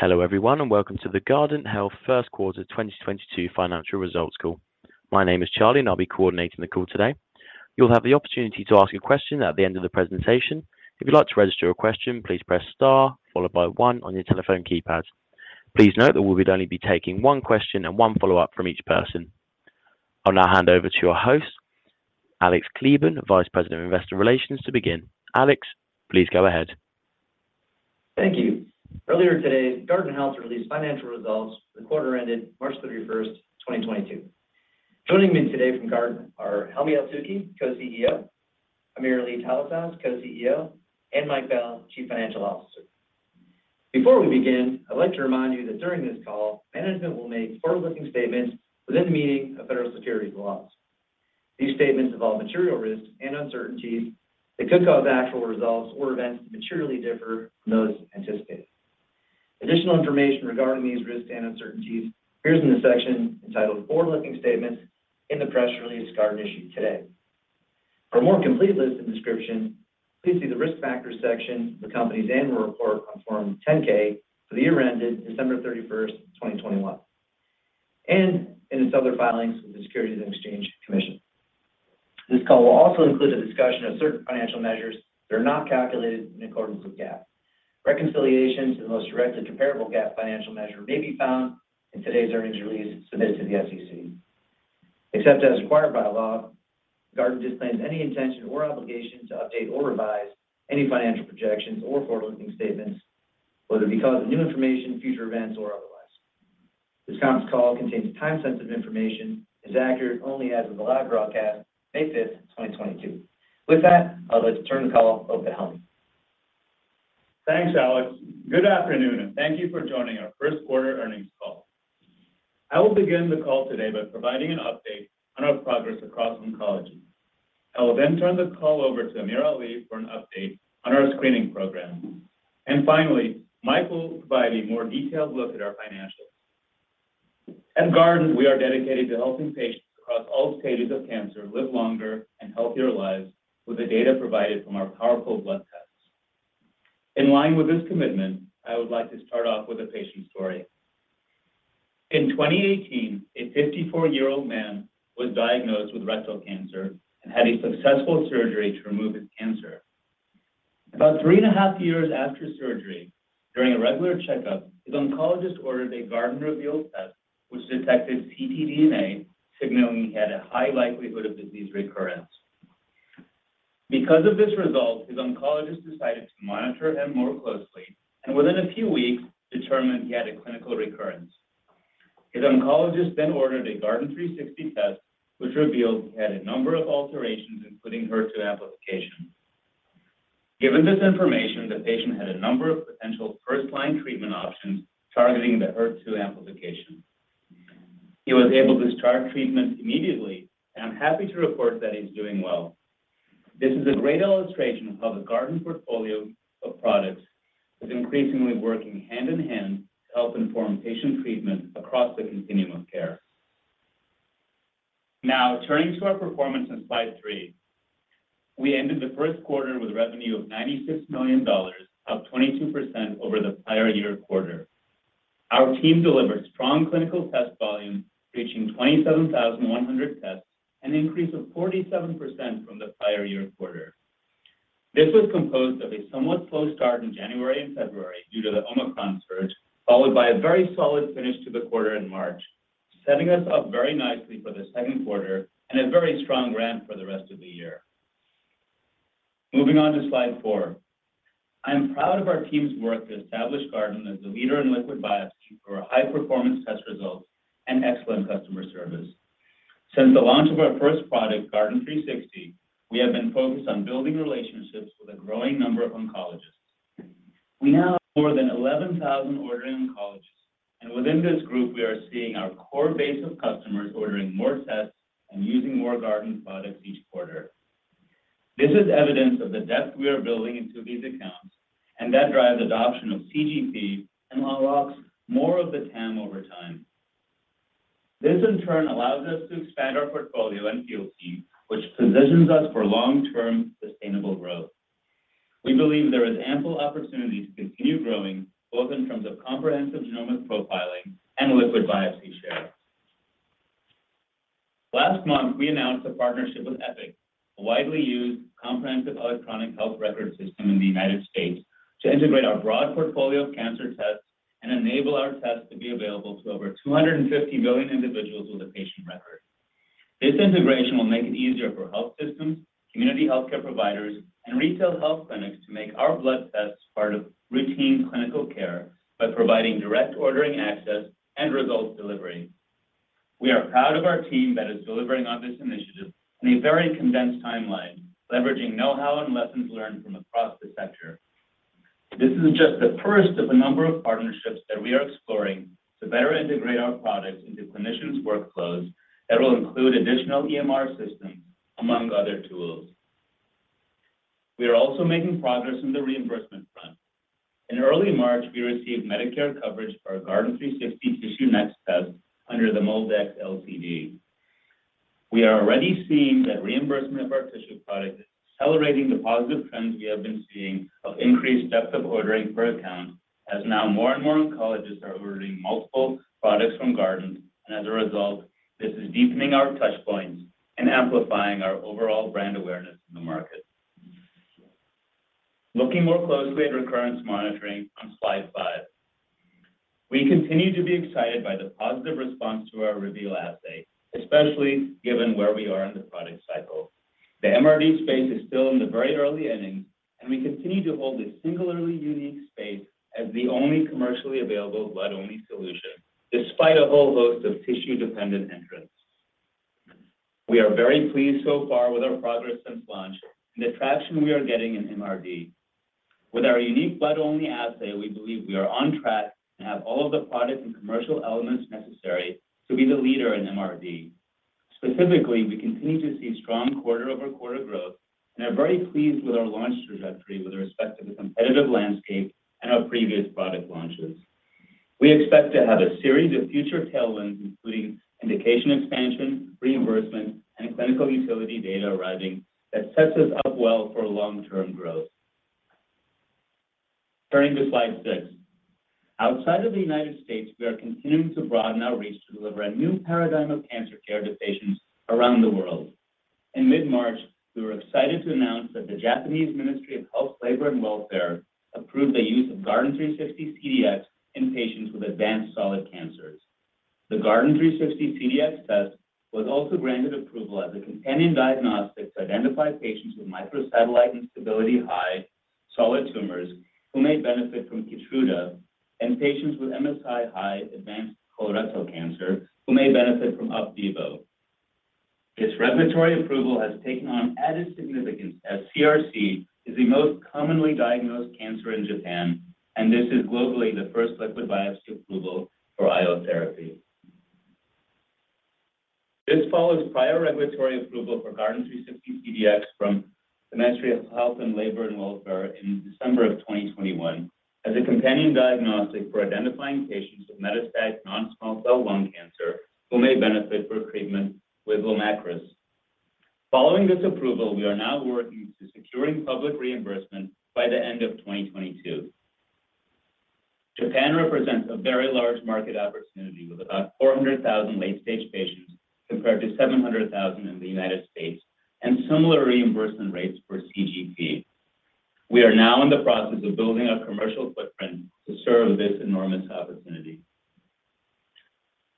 Hello everyone and welcome to the Guardant Health First Quarter 2022 financial results call. My name is Charlie, and I'll be coordinating the call today. You'll have the opportunity to ask a question at the end of the presentation. If you'd like to register your question, please press star followed by one on your telephone keypad. Please note that we would only be taking one question and one follow-up from each person. I'll now hand over to our host, Alex Kleban, Vice President of Investor Relations, to begin. Alex, please go ahead. Thank you. Earlier today, Guardant Health released financial results for the quarter ended March 31st, 2022. Joining me today from Guardant are Helmy Eltoukhy, Co-CEO, AmirAli Talasaz, Co-CEO, and Mike Bell, Chief Financial Officer. Before we begin, I'd like to remind you that during this call, management will make forward-looking statements within the meaning of federal securities laws. These statements involve material risks and uncertainties that could cause actual results or events to materially differ from those anticipated. Additional information regarding these risks and uncertainties appears in the section entitled Forward-Looking Statements in the press release Guardant issued today. For a more complete list and description, please see the Risk Factors section of the company's annual report on Form 10-K for the year ended December 31st, 2021, and in its other filings with the Securities and Exchange Commission. This call will also include a discussion of certain financial measures that are not calculated in accordance with GAAP. Reconciliations to the most directly comparable GAAP financial measure may be found in today's earnings release submitted to the SEC. Except as required by law, Guardant disclaims any intention or obligation to update or revise any financial projections or forward-looking statements, whether because of new information, future events, or otherwise. This conference call contains time-sensitive information and is accurate only as of the live broadcast, May 5th, 2022. With that, I'd like to turn the call over to Helmy. Thanks, Alex. Good afternoon, and thank you for joining our first quarter earnings call. I will begin the call today by providing an update on our progress across oncology. I will then turn the call over to AmirAli for an update on our screening program. And finally, Mike will provide a more detailed look at our financials. At Guardant, we are dedicated to helping patients across all stages of cancer live longer and healthier lives with the data provided from our powerful blood tests. In line with this commitment, I would like to start off with a patient story. In 2018, a 54-year-old man was diagnosed with rectal cancer and had a successful surgery to remove his cancer. About three and a half years after surgery, during a regular checkup, his oncologist ordered a Guardant Reveal test, which detected ctDNA, signaling he had a high likelihood of disease recurrence. Because of this result, his oncologist decided to monitor him more closely and within a few weeks determined he had a clinical recurrence. His oncologist then ordered a Guardant360 test, which revealed he had a number of alterations, including HER2 amplification. Given this information, the patient had a number of potential first-line treatment options targeting the HER2 amplification. He was able to start treatment immediately, and I'm happy to report that he's doing well. This is a great illustration of how the Guardant portfolio of products is increasingly working hand in hand to help inform patient treatment across the continuum of care. Now, turning to our performance on slide three. We ended the first quarter with revenue of $96 million, up 22% over the prior year quarter. Our team delivered strong clinical test volume, reaching 27,100 tests, an increase of 47% from the prior year quarter. This was composed of a somewhat slow start in January and February due to the Omicron surge, followed by a very solid finish to the quarter in March, setting us up very nicely for the second quarter and a very strong ramp for the rest of the year. Moving on to slide four. I am proud of our team's work to establish Guardant as the leader in liquid biopsy for high-performance test results and excellent customer service. Since the launch of our first product, Guardant360, we have been focused on building relationships with a growing number of oncologists. We now have more than 11,000 ordering oncologists, and within this group, we are seeing our core base of customers ordering more tests and using more Guardant products each quarter. This is evidence of the depth we are building into these accounts, and that drives adoption of CGP and unlocks more of the TAM over time. This, in turn, allows us to expand our portfolio and POC, which positions us for long-term sustainable growth. We believe there is ample opportunity to continue growing, both in terms of comprehensive genomic profiling and liquid biopsy share. Last month, we announced a partnership with Epic, a widely used comprehensive electronic health record system in the United States, to integrate our broad portfolio of cancer tests and enable our tests to be available to over 250 million individuals with a patient record. This integration will make it easier for health systems, community healthcare providers, and retail health clinics to make our blood tests part of routine clinical care by providing direct ordering access and results delivery. We are proud of our team that is delivering on this initiative in a very condensed timeline, leveraging know-how and lessons learned from across the sector. This is just the first of a number of partnerships that we are exploring to better integrate our products into clinicians' workflows that will include additional EMR systems, among other tools. We are also making progress on the reimbursement front. In early March, we received Medicare coverage for our Guardant360 TissueNext test under the MolDX LCD. We are already seeing that reimbursement of our tissue product is accelerating the positive trends we have been seeing of increased depth of ordering per account as now more and more oncologists are ordering multiple products from Guardant, and as a result, this is deepening our touch points and amplifying our overall brand awareness in the market. Looking more closely at recurrence monitoring on slide five, we continue to be excited by the positive response to our Reveal assay, especially given where we are in the product cycle. The MRD space is still in the very early innings, and we continue to hold a singularly unique space as the only commercially available blood-only solution despite a whole host of tissue-dependent entrants. We are very pleased so far with our progress since launch and the traction we are getting in MRD. With our unique blood-only assay, we believe we are on track and have all of the product and commercial elements necessary to be the leader in MRD. Specifically, we continue to see strong quarter-over-quarter growth and are very pleased with our launch trajectory with respect to the competitive landscape and our previous product launches. We expect to have a series of future tailwinds, including indication expansion, reimbursement, and clinical utility data arriving that sets us up well for long-term growth. Turning to slide six. Outside of the United States, we are continuing to broaden our reach to deliver a new paradigm of cancer care to patients around the world. In mid-March, we were excited to announce that the Japanese Ministry of Health, Labour and Welfare approved the use of Guardant 360 CDx in patients with advanced solid cancers. The Guardant 360 CDx test was also granted approval as a companion diagnostic to identify patients with microsatellite instability high solid tumors who may benefit from Keytruda and patients with MSI-high advanced colorectal cancer who may benefit from Opdivo. This regulatory approval has taken on added significance as CRC is the most commonly diagnosed cancer in Japan, and this is globally the first liquid biopsy approval for IO therapy. This follows prior regulatory approval for Guardant 360 CDx from the Ministry of Health and Labour and Welfare in December of 2021 as a companion diagnostic for identifying patients with metastatic non-small cell lung cancer who may benefit from treatment with Lumakras. Following this approval, we are now working to secure public reimbursement by the end of 2022. Japan represents a very large market opportunity with about 400,000 late-stage patients compared to 700,000 in the United States and similar reimbursement rates for CGP. We are now in the process of building our commercial footprint to serve this enormous opportunity.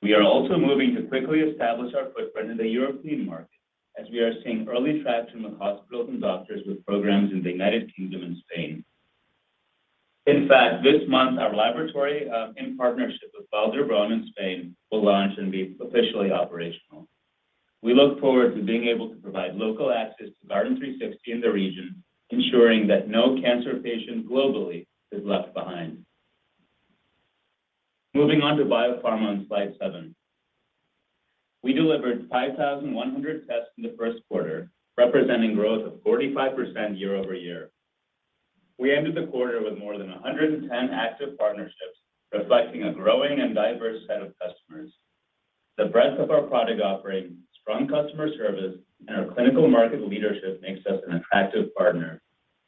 We are also moving to quickly establish our footprint in the European market as we are seeing early traction with hospitals and doctors with programs in the United Kingdom and Spain. In fact, this month, our laboratory in partnership with Vall d'Hebron Institute of Oncology in Spain will launch and be officially operational. We look forward to being able to provide local access to Guardant360 in the region, ensuring that no cancer patient globally is left behind. Moving on to biopharma on slide seven. We delivered 5,100 tests in the first quarter, representing growth of 45% YoY. We ended the quarter with more than 110 active partnerships, reflecting a growing and diverse set of customers. The breadth of our product offering, strong customer service, and our clinical market leadership makes us an attractive partner.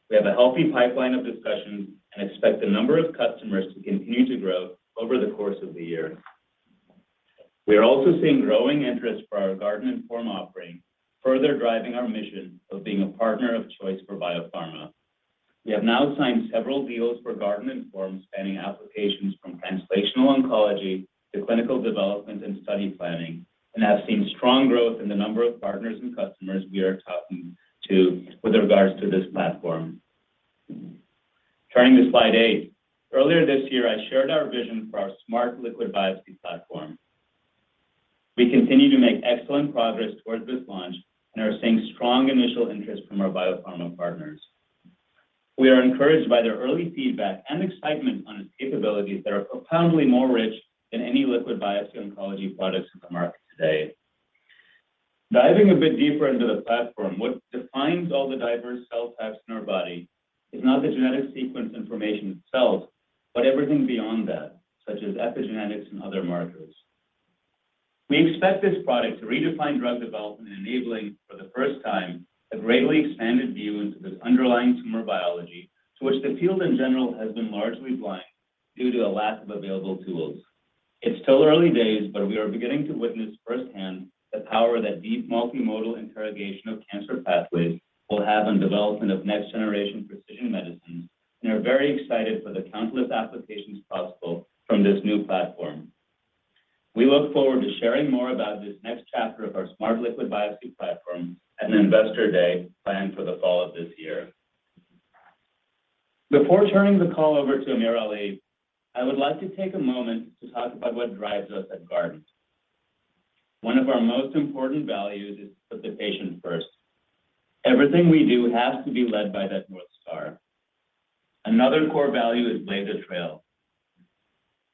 We have a healthy pipeline of discussions and expect the number of customers to continue to grow over the course of the year. We are also seeing growing interest for our GuardantINFORM offering, further driving our mission of being a partner of choice for biopharma. We have now signed several deals for GuardantINFORM spanning applications from translational oncology to clinical development and study planning and have seen strong growth in the number of partners and customers we are talking to with regards to this platform. Turning to slide eight. Earlier this year, I shared our vision for our smart liquid biopsy platform. We continue to make excellent progress towards this launch and are seeing strong initial interest from our biopharma partners. We are encouraged by their early feedback and excitement on its capabilities that are profoundly more rich than any liquid biopsy oncology products in the market today. Diving a bit deeper into the platform, what defines all the diverse cell types in our body is not the genetic sequence information itself, but everything beyond that, such as epigenetics and other markers. We expect this product to redefine drug development, enabling for the first time a greatly expanded view into this underlying tumor biology to which the field in general has been largely blind due to a lack of available tools. It's still early days, but we are beginning to witness firsthand the power that deep multimodal interrogation of cancer pathways will have on development of next-generation precision medicines and are very excited for the countless applications possible from this new platform. We look forward to sharing more about this next chapter of our smart liquid biopsy platform at an investor day planned for the fall of this year. Before turning the call over to AmirAli Talasaz, I would like to take a moment to talk about what drives us at Guardant Health. One of our most important values is to put the patient first. Everything we do has to be led by that North Star. Another core value is blaze a trail.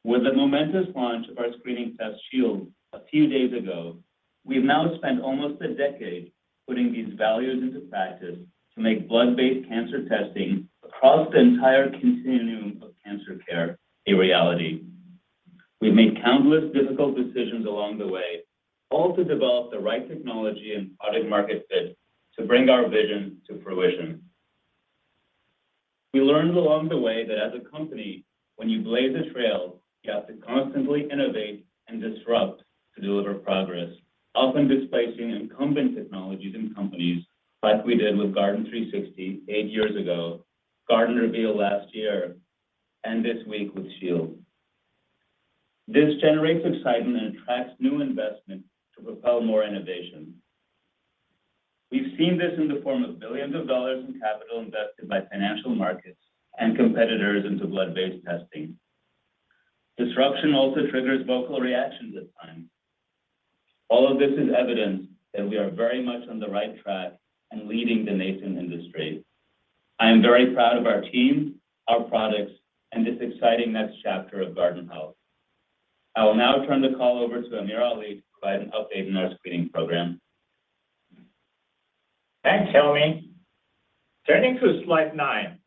With the momentous launch of our screening test Shield a few days ago, we've now spent almost a decade putting these values into practice to make blood-based cancer testing across the entire continuum of cancer care a reality. We've made countless difficult decisions along the way, all to develop the right technology and product market fit to bring our vision to fruition. We learned along the way that as a company, when you blaze a trail, you have to constantly innovate and disrupt to deliver progress, often displacing incumbent technologies and companies like we did with Guardant360 eight years ago, Guardant Reveal last year, and this week with Shield. This generates excitement and attracts new investment to propel more innovation. We've seen this in the form of $ billions in capital invested by financial markets and competitors into blood-based testing. Disruption also triggers vocal reactions at times. All of this is evidence that we are very much on the right track and leading the nascent industry. I am very proud of our team, our products, and this exciting next chapter of Guardant Health. I will now turn the call over to AmirAli Talasaz to provide an update on our screening program. Thanks, Helmy. Turning to slide nine.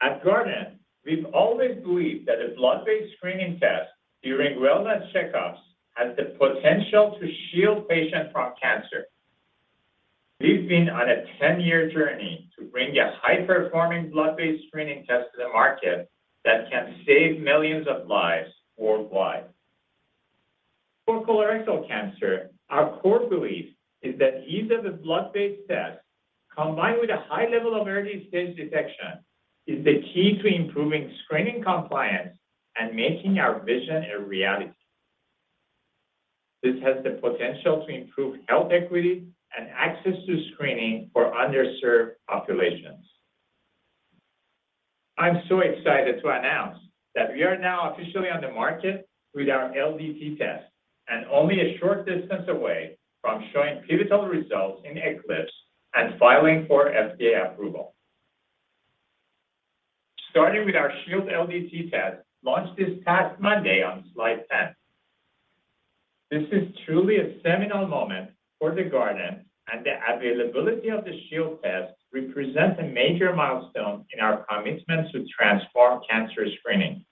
At Guardant, we've always believed that a blood-based screening test during wellness checkups has the potential to shield patients from cancer. We've been on a 10-year journey to bring a high-performing blood-based screening test to the market that can save millions of lives worldwide. For colorectal cancer, our core belief is that ease of a blood-based test combined with a high level of early-stage detection is the key to improving screening compliance and making our vision a reality. This has the potential to improve health equity and access to screening for underserved populations. I'm so excited to announce that we are now officially on the market with our LDT test and only a short distance away from showing pivotal results in ECLIPSE and filing for FDA approval. Starting with our Shield LDT test launched this past Monday on slide 10. This is truly a seminal moment for the Guardant, and the availability of the Shield test represents a major milestone in our commitment to transform cancer screening.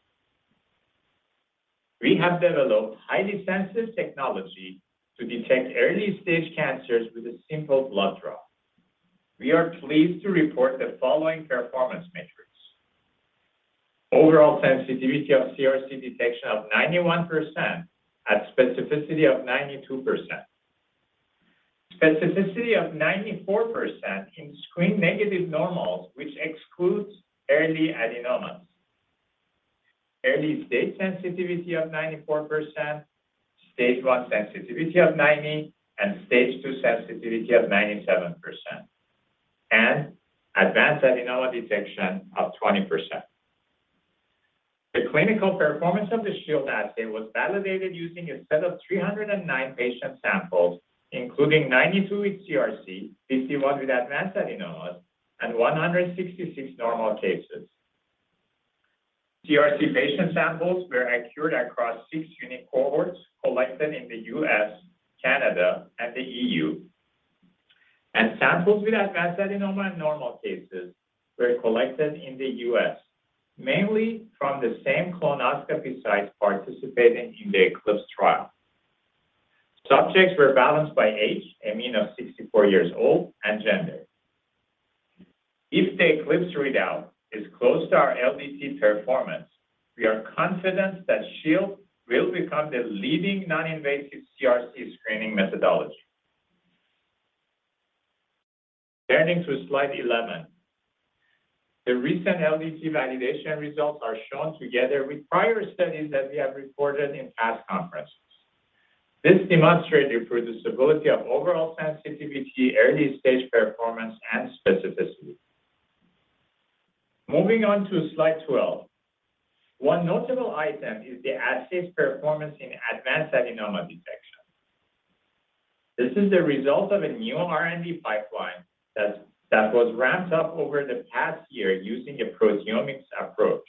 We have developed highly sensitive technology to detect early-stage cancers with a simple blood draw. We are pleased to report the following performance metrics. Overall sensitivity of CRC detection of 91% at specificity of 92%. Specificity of 94% in screen-negative normals, which excludes early adenomas. Early-stage sensitivity of 94%, stage one sensitivity of 90, and stage two sensitivity of 97%, and advanced adenoma detection of 20%. The clinical performance of the Shield assay was validated using a set of 309 patient samples, including 92 with CRC, 51 with advanced adenomas, and 166 normal cases. CRC patient samples were acquired across six unique cohorts collected in the U.S., Canada, and the EU. Samples with advanced adenoma in normal cases were collected in the U.S., mainly from the same colonoscopy sites participating in the ECLIPSE trial. Subjects were balanced by age, a mean of 64 years old, and gender. If the ECLIPSE readout is close to our LDT performance, we are confident that Shield will become the leading non-invasive CRC screening methodology. Turning to slide 11. The recent LDT validation results are shown together with prior studies that we have reported in past conferences. This demonstrated reproducibility of overall sensitivity, early-stage performance, and specificity. Moving on to slide 12. One notable item is the assay's performance in advanced adenoma detection. This is the result of a new R&D pipeline that was ramped up over the past year using a proteomics approach.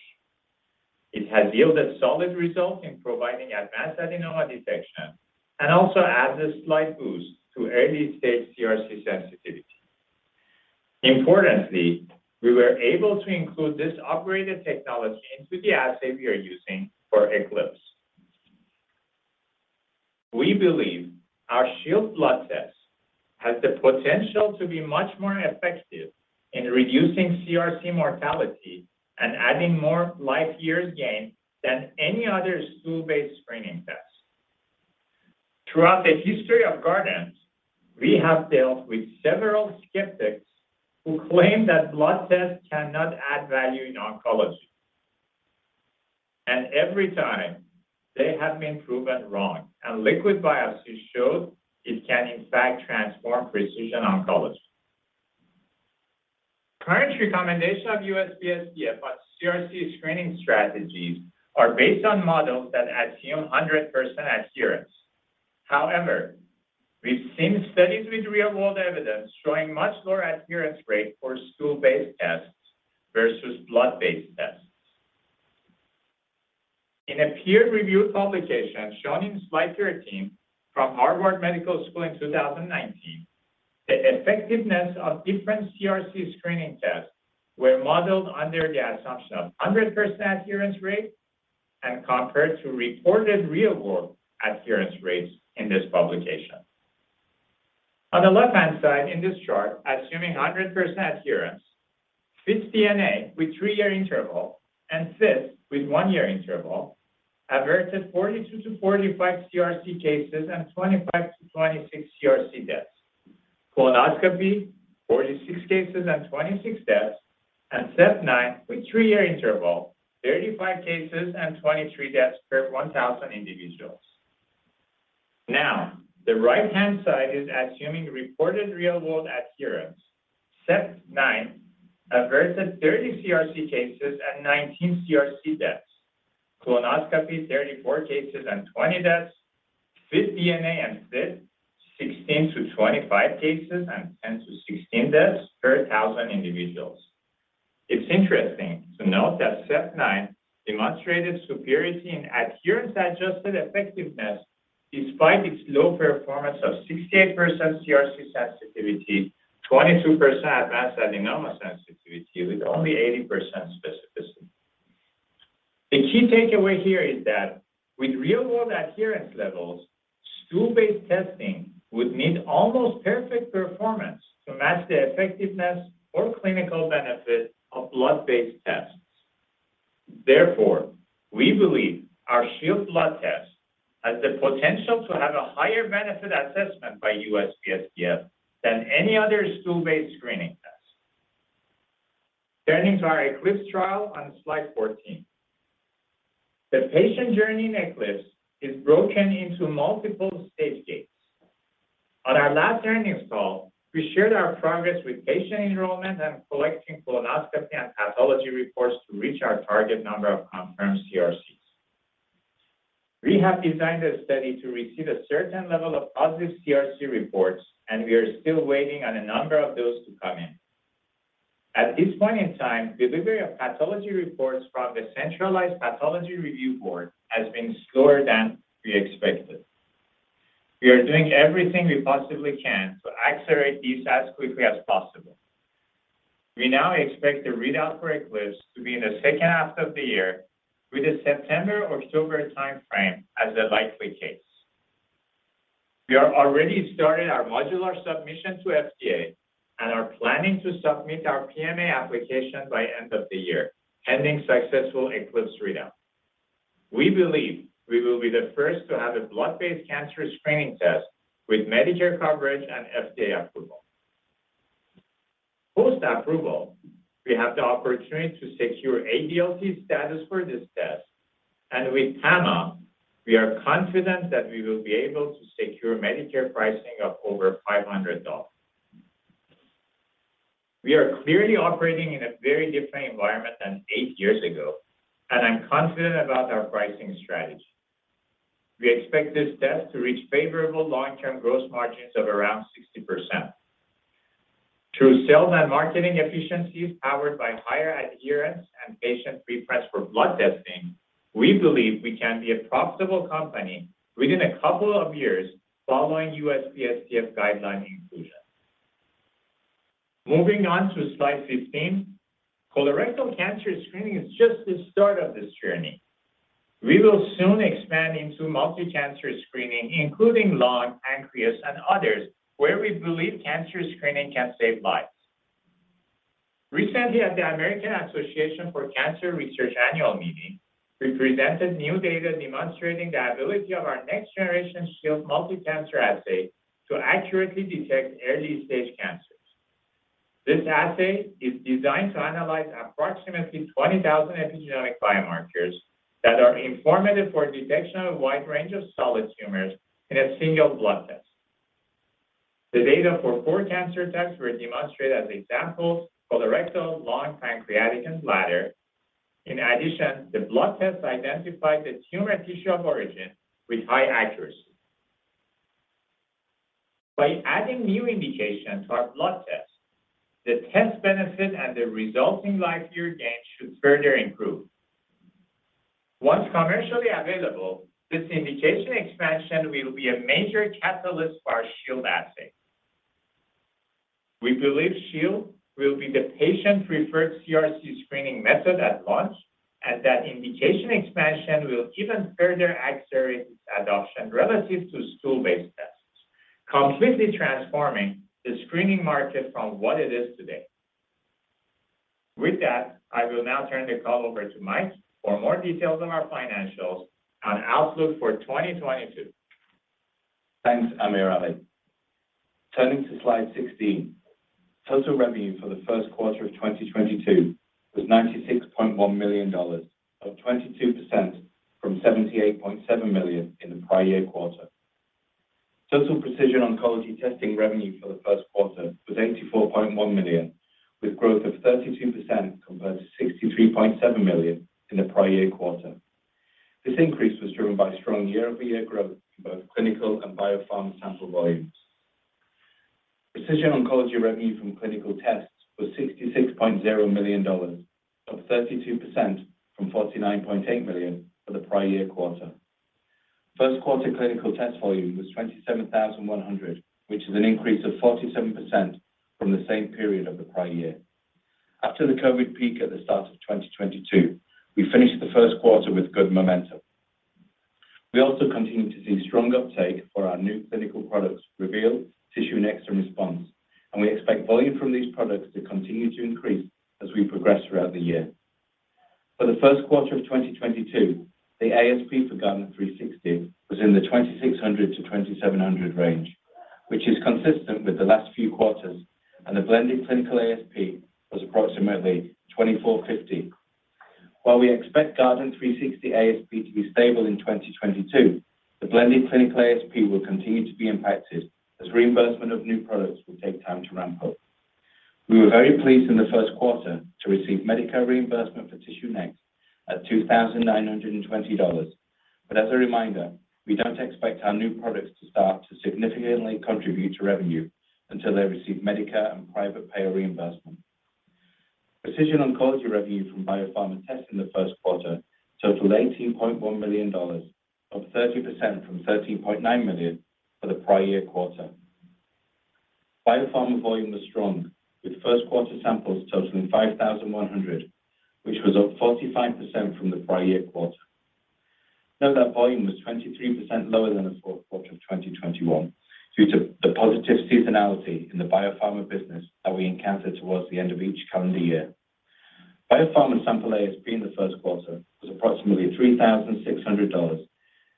It has yielded solid results in providing advanced adenoma detection and also adds a slight boost to early-stage CRC sensitivity. Importantly, we were able to include this upgraded technology into the assay we are using for ECLIPSE. We believe our Shield blood test has the potential to be much more effective in reducing CRC mortality and adding more life years gain than any other stool-based screening test. Throughout the history of Guardant, we have dealt with several skeptics who claim that blood tests cannot add value in oncology. Every time, they have been proven wrong, and liquid biopsies show it can in fact transform precision oncology. Current recommendation of USPSTF for CRC screening strategies are based on models that assume 100% adherence. However, we've seen studies with real-world evidence showing much lower adherence rate for stool-based tests versus blood-based tests. In a peer-reviewed publication shown in slide 13 from Harvard Medical School in 2019. The effectiveness of different CRC screening tests were modeled under the assumption of 100% adherence rate and compared to reported real-world adherence rates in this publication. On the left-hand side in this chart, assuming 100% adherence, FIT-DNA with three-year interval and FIT with one-year interval averted 42-45 CRC cases and 25-26 CRC deaths. Colonoscopy, 46 cases and 26 deaths, and SEPT9 withthree-year interval, 35 cases and 23 deaths per 1,000 individuals. Now, the right-hand side is assuming reported real-world adherence. SEPT9 averted 30 CRC cases and 19 CRC deaths. Colonoscopy, 34 cases and 20 deaths. FIT-DNA and FIT, 16-25 cases and 10-16 deaths per 1,000 individuals. It's interesting to note that SEPT9 demonstrated superiority in adherence-adjusted effectiveness despite its low performance of 68% CRC sensitivity, 22% advanced adenoma sensitivity with only 80% specificity. The key takeaway here is that with real-world adherence levels, stool-based testing would need almost perfect performance to match the effectiveness or clinical benefit of blood-based tests. Therefore, we believe our Shield blood test has the potential to have a higher benefit assessment by USPSTF than any other stool-based screening test. Turning to our ECLIPSE trial on slide 14. The patient journey in ECLIPSE is broken into multiple stage gates. On our last earnings call, we shared our progress with patient enrollment and collecting colonoscopy and pathology reports to reach our target number of confirmed CRCs. We have designed a study to receive a certain level of positive CRC reports, and we are still waiting on a number of those to come in. At this point in time, delivery of pathology reports from the centralized pathology review board has been slower than we expected. We are doing everything we possibly can to accelerate these as quickly as possible. We now expect the readout for ECLIPSE to be in the second half of the year with a September or October timeframe as the likely case. We are already started our modular submission to FDA and are planning to submit our PMA application by end of the year pending successful ECLIPSE readout. We believe we will be the first to have a blood-based cancer screening test with Medicare coverage and FDA approval. Post-approval, we have the opportunity to secure ADLT status for this test, and with ADLT, we are confident that we will be able to secure Medicare pricing of over $500. We are clearly operating in a very different environment than eight years ago, and I'm confident about our pricing strategy. We expect this test to reach favorable long-term gross margins of around 60%. Through sales and marketing efficiencies powered by higher adherence and patient preference for blood testing, we believe we can be a profitable company within a couple of years following USPSTF guideline inclusion. Moving on to slide 15, colorectal cancer screening is just the start of this journey. We will soon expand into multi-cancer screening, including lung, pancreas, and others, where we believe cancer screening can save lives. Recently at the American Association for Cancer Research annual meeting, we presented new data demonstrating the ability of our next-generation Shield multi-cancer assay to accurately detect early-stage cancers. This assay is designed to analyze approximately 20,000 epigenetic biomarkers that are informative for detection of a wide range of solid tumors in a single blood test. The data for four cancer types were demonstrated as examples, colorectal, lung, pancreatic, and bladder. In addition, the blood test identified the tumor tissue of origin with high accuracy. By adding new indications to our blood test, the test benefit and the resulting life year gain should further improve. Once commercially available, this indication expansion will be a major catalyst for our Shield assay. We believe Shield will be the patient-preferred CRC screening method at launch, and that indication expansion will even further accelerate its adoption relative to stool-based tests, completely transforming the screening market from what it is today. With that, I will now turn the call over to Mike for more details on our financials and outlook for 2022. Thanks, AmirAli. Turning to slide 16, total revenue for the first quarter of 2022 was $96.1 million, up 22% from $78.7 million in the prior year quarter. Total precision oncology testing revenue for the first quarter was $84.1 million, with growth of 32% compared to $63.7 million in the prior year quarter. This increase was driven by strong YoY growth in both clinical and biopharma sample volumes. Precision oncology revenue from clinical tests was $66.0 million, up 32% from $49.8 million for the prior year quarter. First quarter clinical test volume was 27,100, which is an increase of 47% from the same period of the prior year. After the COVID peak at the start of 2022, we finished the first quarter with good momentum. We also continued to see strong uptake for our new clinical products, Reveal, TissueNext, and Response, and we expect volume from these products to continue to increase as we progress throughout the year. For the first quarter of 2022, the ASP for Guardant360 was in the $2,600-$2,700 range, which is consistent with the last few quarters, and the blended clinical ASP was approximately $2,450. While we expect Guardant360 ASP to be stable in 2022, the blended clinical ASP will continue to be impacted as reimbursement of new products will take time to ramp up. We were very pleased in the first quarter to receive Medicare reimbursement for TissueNext at $2,920. As a reminder, we don't expect our new products to start to significantly contribute to revenue until they receive Medicare and private payer reimbursement. Precision oncology revenue from pharma tests in the first quarter totaled $18.1 million, up 30% from $13.9 million for the prior year quarter. Biopharma volume was strong, with first quarter samples totaling 5,100, which was up 45% from the prior year quarter. Note that volume was 23% lower than the fourth quarter of 2021 due to the positive seasonality in the biopharma business that we encounter towards the end of each calendar year. Biopharma sample ASP in the first quarter was approximately $3,600,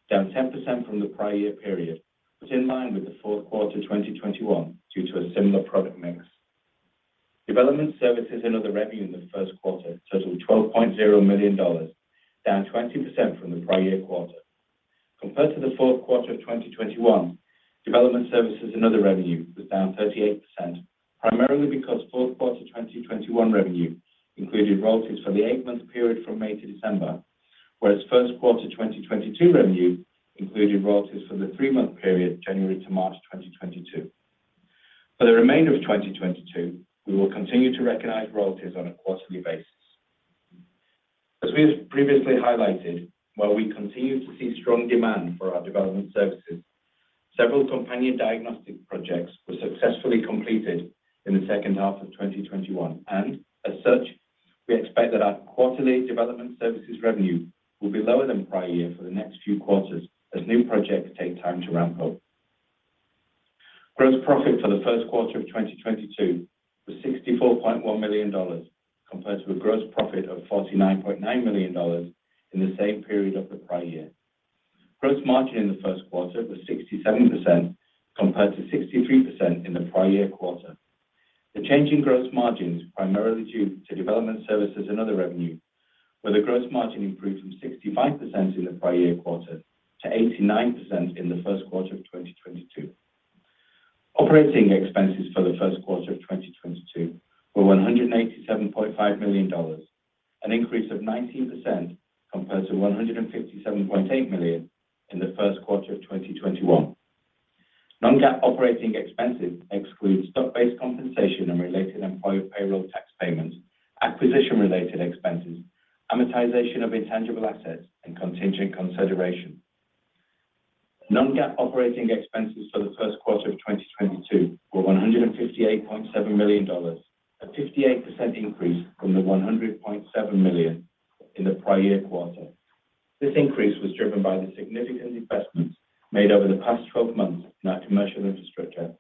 down 10% from the prior year period, but in line with the fourth quarter 2021 due to a similar product mix. Development services and other revenue in the first quarter totaled $12.0 million, down 20% from the prior year quarter. Compared to the fourth quarter of 2021, development services and other revenue was down 38%, primarily because fourth quarter 2021 revenue included royalties for the eight-month period from May to December, whereas first quarter 2022 revenue included royalties for the three-month period January to March 2022. For the remainder of 2022, we will continue to recognize royalties on a quarterly basis. As we have previously highlighted, while we continue to see strong demand for our development services, several companion diagnostic projects were successfully completed in the second half of 2021, and as such, we expect that our quarterly development services revenue will be lower than prior year for the next few quarters as new projects take time to ramp up. Gross profit for the first quarter of 2022 was $64.1 million, compared to a gross profit of $49.9 million in the same period of the prior year. Gross margin in the first quarter was 67%, compared to 63% in the prior year quarter. The change in gross margin was primarily due to development services and other revenue, where the gross margin improved from 65% in the prior year quarter to 89% in the first quarter of 2022. Operating expenses for the first quarter of 2022 were $187.5 million, an increase of 19% compared to $157.8 million in the first quarter of 2021. Non-GAAP operating expenses exclude stock-based compensation and related employer payroll tax payments, acquisition-related expenses, amortization of intangible assets, and contingent consideration. Non-GAAP operating expenses for the first quarter of 2022 were $158.7 million, a 58% increase from the $100.7 million in the prior-year quarter. This increase was driven by the significant investments made over the past 12 months in our commercial infrastructure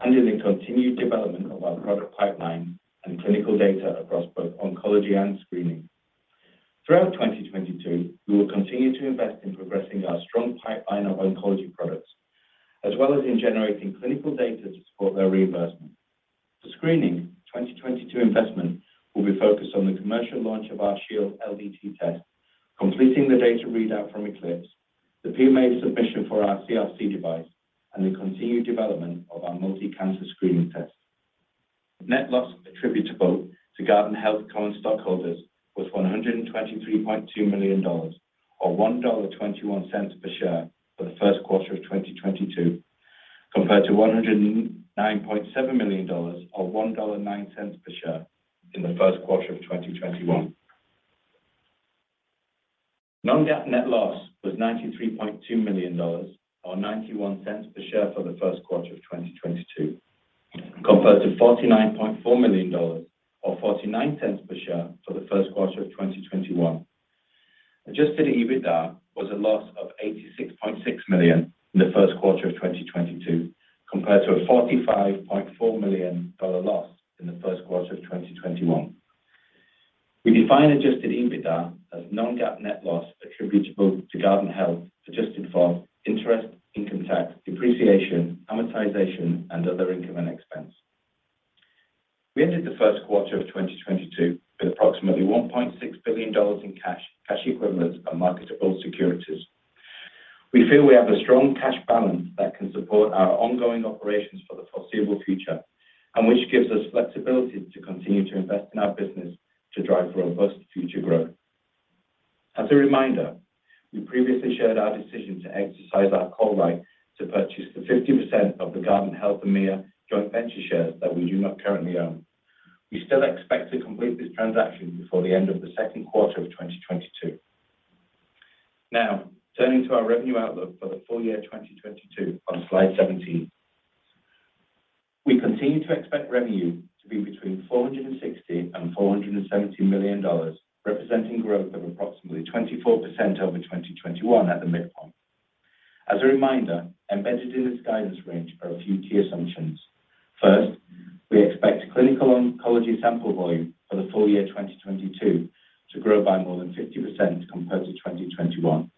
and in the continued development of our product pipeline and clinical data across both oncology and screening. Throughout 2022, we will continue to invest in progressing our strong pipeline of oncology products as well as in generating clinical data to support their reimbursement. For screening, 2022 investment will be focused on the commercial launch of our Shield LDT test, completing the data readout from Eclipse, the PMA submission for our CRC device, and the continued development of our multi-cancer screening test. Net loss attributable to Guardant Health common stockholders was $123.2 million, or $1.21 per share for the first quarter of 2022, compared to $109.7 million, or $1.09 per share in the first quarter of 2021. Non-GAAP net loss was $93.2 million, or $0.91 per share for the first quarter of 2022, compared to $49.4 million, or $0.49 per share for the first quarter of 2021. Adjusted EBITDA was a loss of $86.6 million in the first quarter of 2022, compared to a $45.4 million loss in the first quarter of 2021. We define adjusted EBITDA as non-GAAP net loss attributable to Guardant Health, adjusted for interest, income tax, depreciation, amortization, and other income and expense. We ended the first quarter of 2022 with approximately $1.6 billion in cash equivalents, and marketable securities. We feel we have a strong cash balance that can support our ongoing operations for the foreseeable future and which gives us flexibility to continue to invest in our business to drive robust future growth. As a reminder, we previously shared our decision to exercise our call right to purchase the 50% of the Guardant Health EMEA joint venture shares that we do not currently own. We still expect to complete this transaction before the end of the second quarter of 2022. Now, turning to our revenue outlook for the full year 2022 on slide 17. We continue to expect revenue to be between $460 million and $470 million, representing growth of approximately 24% over 2021 at the midpoint. As a reminder, embedded in this guidance range are a few key assumptions. First, we expect clinical oncology sample volume for the full year 2022 to grow by more than 50% compared to 2021,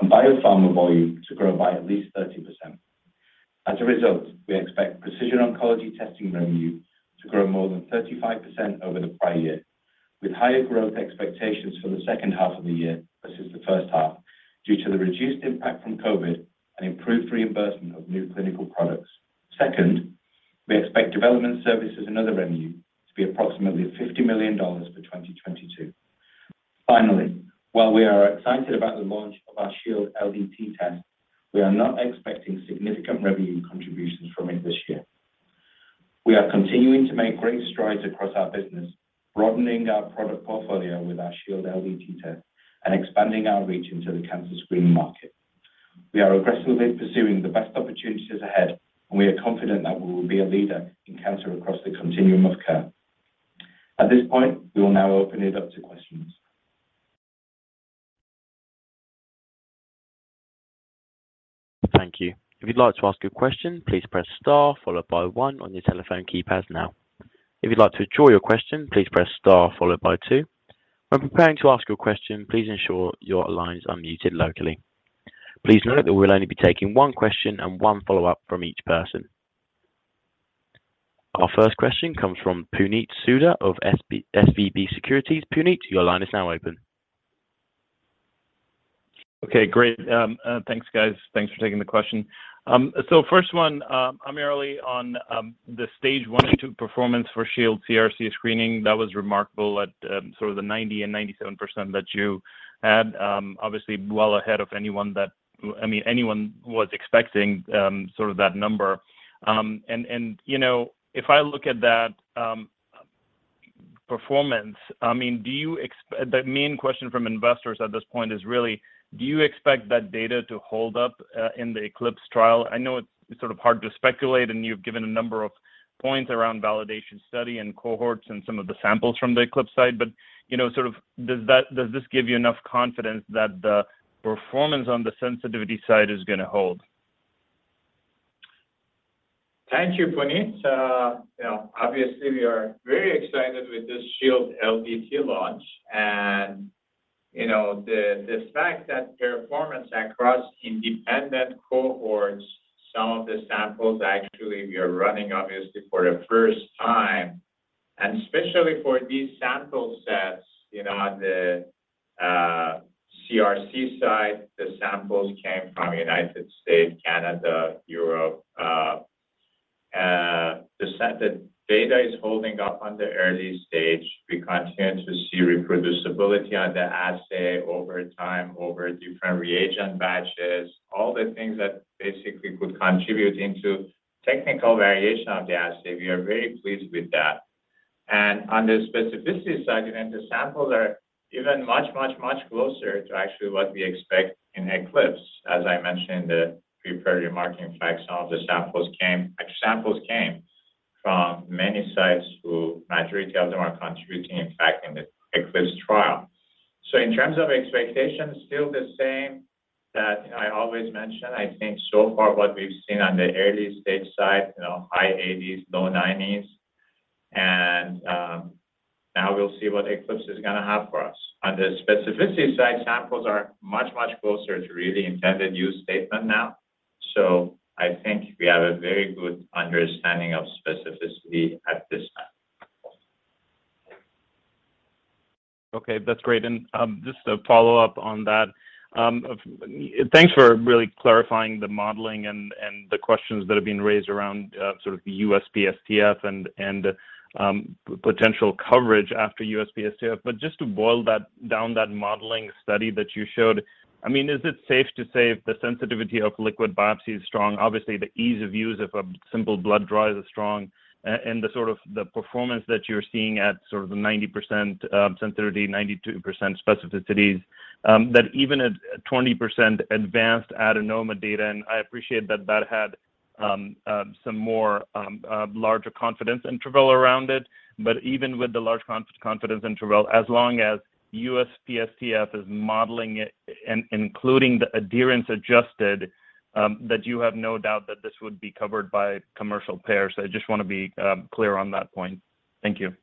and biopharma volume to grow by at least 30%. As a result, we expect precision oncology testing revenue to grow more than 35% over the prior year, with higher growth expectations for the second half of the year versus the first half due to the reduced impact from COVID and improved reimbursement of new clinical products. Second, we expect development services and other revenue to be approximately $50 million for 2022. Finally, while we are excited about the launch of our Shield LDT test, we are not expecting significant revenue contributions from it this year. We are continuing to make great strides across our business, broadening our product portfolio with our Shield LDT test and expanding our reach into the cancer screening market. We are aggressively pursuing the best opportunities ahead, and we are confident that we will be a leader in cancer across the continuum of care. At this point, we will now open it up to questions. Thank you. If you'd like to ask a question, please press star followed by one on your telephone keypad now. If you'd like to withdraw your question, please press star followed by two. When preparing to ask your question, please ensure your line is unmuted locally. Please note that we'll only be taking one question and one follow-up from each person. Our first question comes from Puneet Souda of SVB Securities. Puneet, your line is now open. Okay, great. Thanks, guys. Thanks for taking the question. First one, primarily on the stage one and two performance for Shield CRC screening. That was remarkable at sort of the 90% and 97% that you had, obviously well ahead of anyone that I mean, anyone was expecting sort of that number. And you know, if I look at that performance, I mean, the main question from investors at this point is really do you expect that data to hold up in the Eclipse trial? I know it's sort of hard to speculate, and you've given a number of points around validation study and cohorts and some of the samples from the Eclipse side. You know, sort of does this give you enough confidence that the performance on the sensitivity side is going to hold? Thank you, Puneet. You know, obviously we are very excited with this Shield LDT launch. You know, the fact that performance across independent cohorts, some of the samples actually we are running obviously for the first time, and especially for these sample sets, you know, on the CRC side, the samples came from United States, Canada, Europe. The data is holding up on the early stage. We continue to see reproducibility on the assay over time, over different reagent batches, all the things that basically could contribute into technical variation of the assay. We are very pleased with that. On the specificity side, you know, the samples are even much closer to actually what we expect in ECLIPSE. As I mentioned, the pretty remarkable fact some of the samples came from many sites, the majority of them are contributing, in fact, in the ECLIPSE trial. In terms of expectations, still the same that I always mention. I think so far what we've seen on the early stage side, you know, high 80s%, low 90s%. Now we'll see what ECLIPSE is going to have for us. On the specificity side, samples are much, much closer to really intended use statement now. I think we have a very good understanding of specificity at this time. Okay, that's great. Just a follow-up on that. Thanks for really clarifying the modeling and the questions that have been raised around sort of the USPSTF and potential coverage after USPSTF. Just to boil that down, that modeling study that you showed, I mean, is it safe to say if the sensitivity of liquid biopsy is strong, obviously the ease of use of a simple blood draw is strong, and the sort of the performance that you're seeing at sort of the 90% sensitivity, 92% specificities, that even at 20% advanced adenoma data, and I appreciate that that had some more larger confidence interval around it. Even with the large confidence interval, as long as USPSTF is modeling it including the adherence adjusted, that you have no doubt that this would be covered by commercial payers. I just want to be clear on that point. Thank you.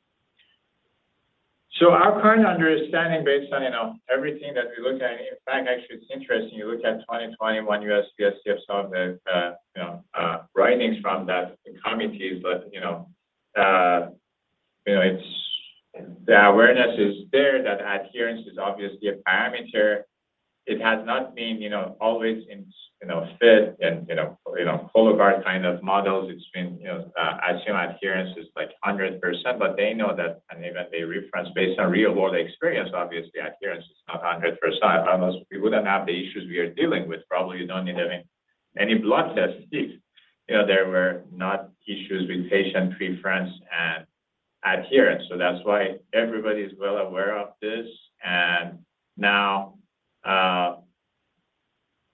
Our current understanding based on you know everything that we look at, in fact, actually it's interesting, you look at 2021 USPSTF, some of the writings from that committee's. The awareness is there that adherence is obviously a parameter. It has not been you know always in you know fit and you know full of our kind of models. It's been you know assumed adherence is like 100%. They know that and even they reference based on real-world experience, obviously adherence is not 100%. Otherwise we wouldn't have the issues we are dealing with. Probably you don't need any blood tests. You know, there were not issues with patient preference and adherence. That's why everybody is well aware of this. Now,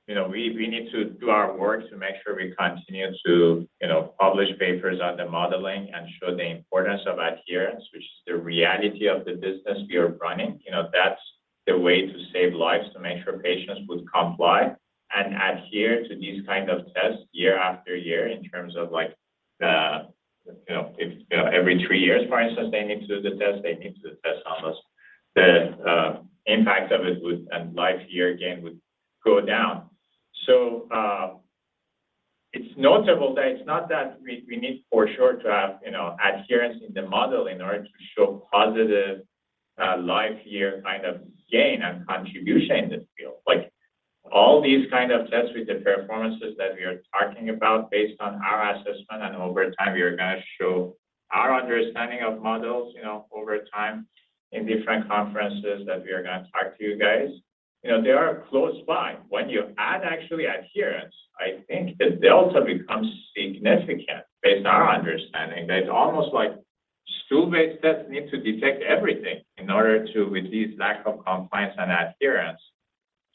you know, we need to do our work to make sure we continue to, you know, publish papers on the modeling and show the importance of adherence, which is the reality of the business we are running. You know, that's the way to save lives, to make sure patients would comply and adhere to these kind of tests year after year in terms of, like, the, you know, if, you know, every three years, for instance, they need to do the test, they need to test on us. The impact of it would and life year again would go down. It's notable that it's not that we need for sure to have, you know, adherence in the model in order to show positive life year kind of gain and contribution in the field. Like, all these kind of tests with the performances that we are talking about based on our assessment and over time we are gonna show our understanding of models, you know, over time in different conferences that we are gonna talk to you guys. You know, they are close by. When you add actually adherence, I think the delta becomes significant based on our understanding, that it's almost like stool-based tests need to detect everything in order to reduce lack of compliance and adherence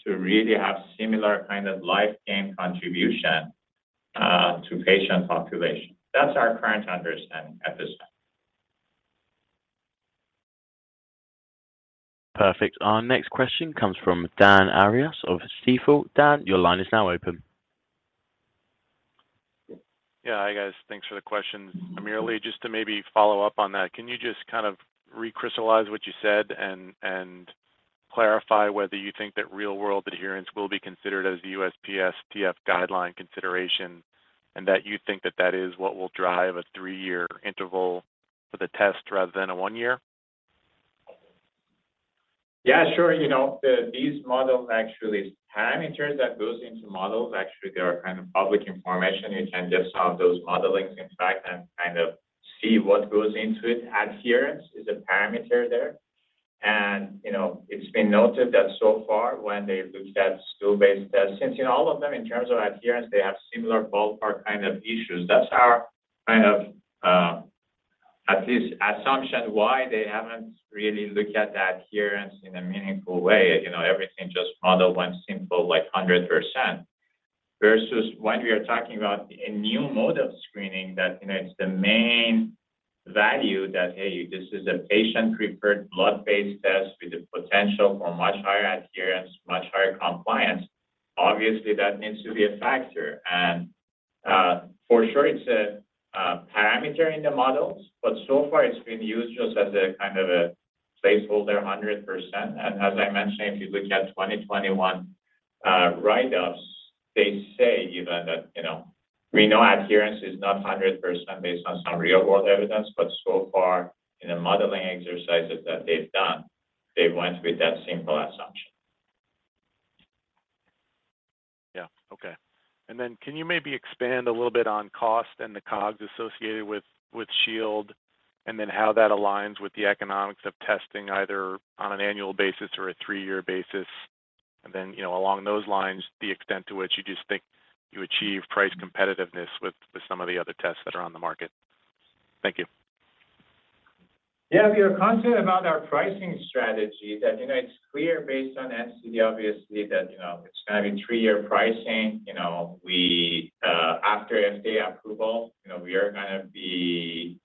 to really have similar kind of life gain contribution to patient population. That's our current understanding at this time. Perfect. Our next question comes from Dan Arias of Stifel. Dan, your line is now open. Yeah. Hi, guys. Thanks for the questions. AmirAli, just to maybe follow up on that, can you just kind of re-crystallize what you said and clarify whether you think that real-world adherence will be considered as the USPSTF guideline consideration, and that you think that that is what will drive a three-year interval for the test rather than a one-year? Yeah, sure. You know, these models actually parameters that goes into models, actually, they are kind of public information. You can just have those modelings, in fact, and kind of see what goes into it. Adherence is a parameter there. You know, it's been noted that so far when they've looked at stool-based tests, since in all of them in terms of adherence, they have similar ballpark kind of issues. That's our kind of, at least assumption why they haven't really looked at the adherence in a meaningful way. You know, everything just model one simple like 100%. Versus when we are talking about a new mode of screening that, you know, it's the main value that, hey, this is a patient-preferred blood-based test with the potential for much higher adherence, much higher compliance. Obviously, that needs to be a factor. For sure it's a parameter in the models, but so far it's been used just as a kind of a placeholder 100%. As I mentioned, if you look at 2021 write-ups, they say even that, you know, we know adherence is not 100% based on some real-world evidence. So far in the modeling exercises that they've done, they went with that simple assumption. Yeah. Okay. Then can you maybe expand a little bit on cost and the COGS associated with Shield, and then how that aligns with the economics of testing either on an annual basis or a three-year basis? Then, you know, along those lines, the extent to which you just think you achieve price competitiveness with some of the other tests that are on the market. Thank you. Yeah. We are confident about our pricing strategy that, you know, it's clear based on NCD obviously that, you know, it's gonna be three-year pricing. You know, we after FDA approval, you know, we are gonna be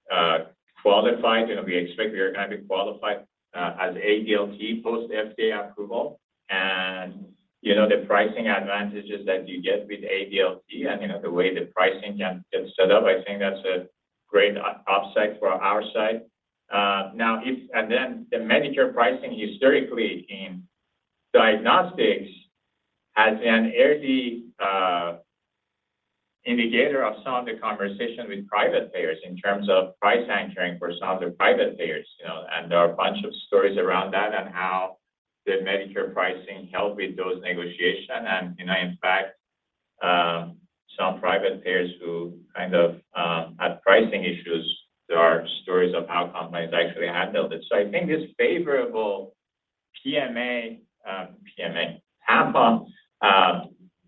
qualified. You know, we expect we are gonna be qualified as ADLT post FDA approval. And, you know, the pricing advantages that you get with ADLT and, you know, the way the pricing can get set up, I think that's a great upside for our side. The Medicare pricing historically in diagnostics has an early indicator of some of the conversation with private payers in terms of price anchoring for some of the private payers, you know. And there are a bunch of stories around that and how the Medicare pricing helped with those negotiations. You know, in fact, some private payers who kind of had pricing issues, there are stories of how companies actually handled it. I think this favorable PMA,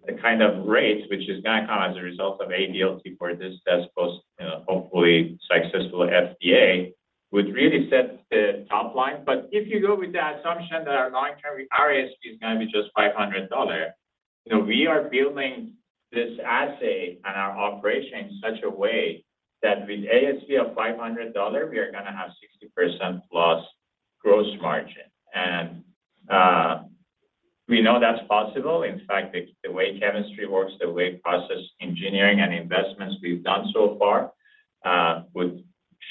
the kind of rates which is gonna come as a result of ADLT for this test post, you know, hopefully successful FDA, would really set the top line. If you go with the assumption that our long-term ASP is gonna be just $500, you know, we are building this assay and our operation in such a way that with ASP of $500 we are gonna have 60%+ gross margin. We know that's possible. In fact, the way chemistry works, the way process engineering and investments we've done so far would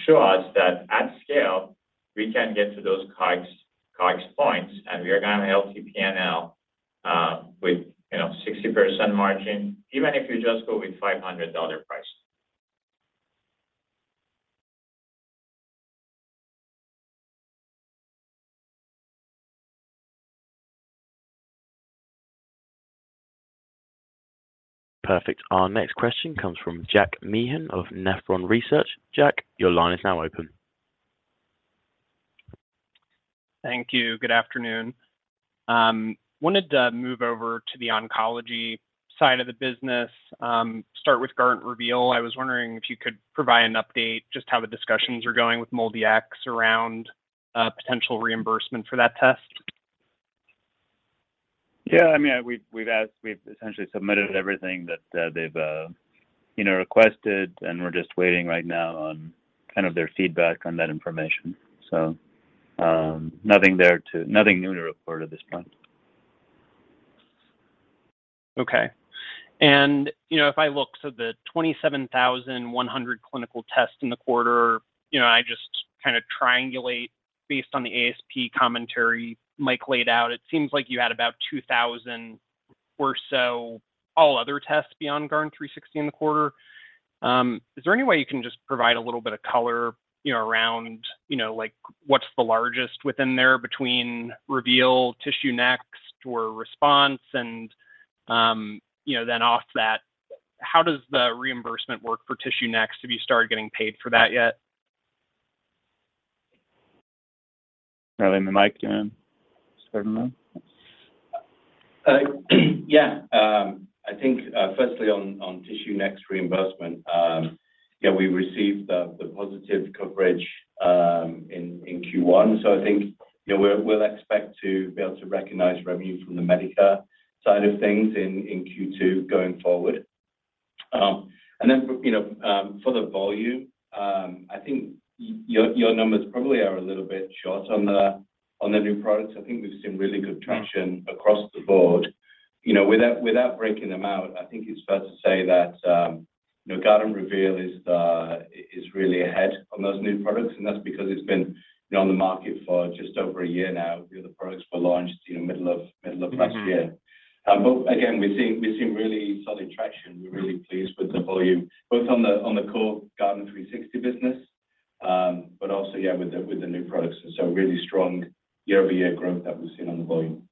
show us that at scale we can get to those COGS points, and we are gonna help P&L with, you know, 60% margin even if you just go with $500 price. Perfect. Our next question comes from Jack Meehan of Nephron Research. Jack, your line is now open. Thank you. Good afternoon. Wanted to move over to the oncology side of the business. Start with Guardant Reveal. I was wondering if you could provide an update just how the discussions are going with MolDX around potential reimbursement for that test. Yeah, I mean, we've essentially submitted everything that they've, you know, requested, and we're just waiting right now on kind of their feedback on that information. Nothing new to report at this point. Okay. You know, if I look, so the 27,100 clinical tests in the quarter, you know, I just kinda triangulate based on the ASP commentary Mike laid out. It seems like you had about 2,000 or so all other tests beyond Guardant360 in the quarter. Is there any way you can just provide a little bit of color, you know, around, you know, like what's the largest within there between Reveal, TissueNext, or Response? You know, then off that, how does the reimbursement work for TissueNext? Have you started getting paid for that yet? AmirAli and Mike, do you wanna start on that? I think, firstly on TissueNext reimbursement, we received the positive coverage in Q1. I think, you know, we'll expect to be able to recognize revenue from the Medicare side of things in Q2 going forward. For the volume, I think your numbers probably are a little bit short on the new products. I think we've seen really good traction across the board. You know, without breaking them out, I think it's fair to say that, you know, Guardant Reveal is really ahead on those new products, and that's because it's been, you know, on the market for just over a year now. The other products were launched in middle of last year. We're seeing really solid traction. We're really pleased with the volume, both on the core Guardant360 business, but also with the new products. Really strong YoY growth that we've seen on the volume.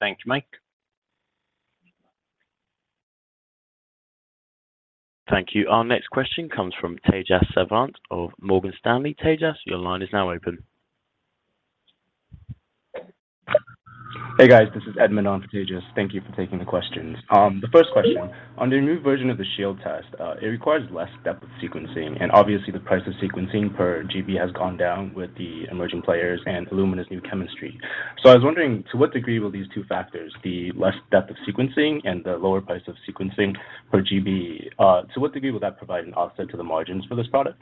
Thank you, Mike. Thank you. Our next question comes from Tejas Savant of Morgan Stanley. Tejas, your line is now open. Hey, guys. This is Edmond on for Tejas Savant. Thank you for taking the questions. The first question, on the new version of the Shield test, it requires less depth of sequencing, and obviously the price of sequencing per GB has gone down with the emerging players and Illumina's new chemistry. I was wondering, to what degree will these two factors, the less depth of sequencing and the lower price of sequencing per GB, provide an offset to the margins for this product?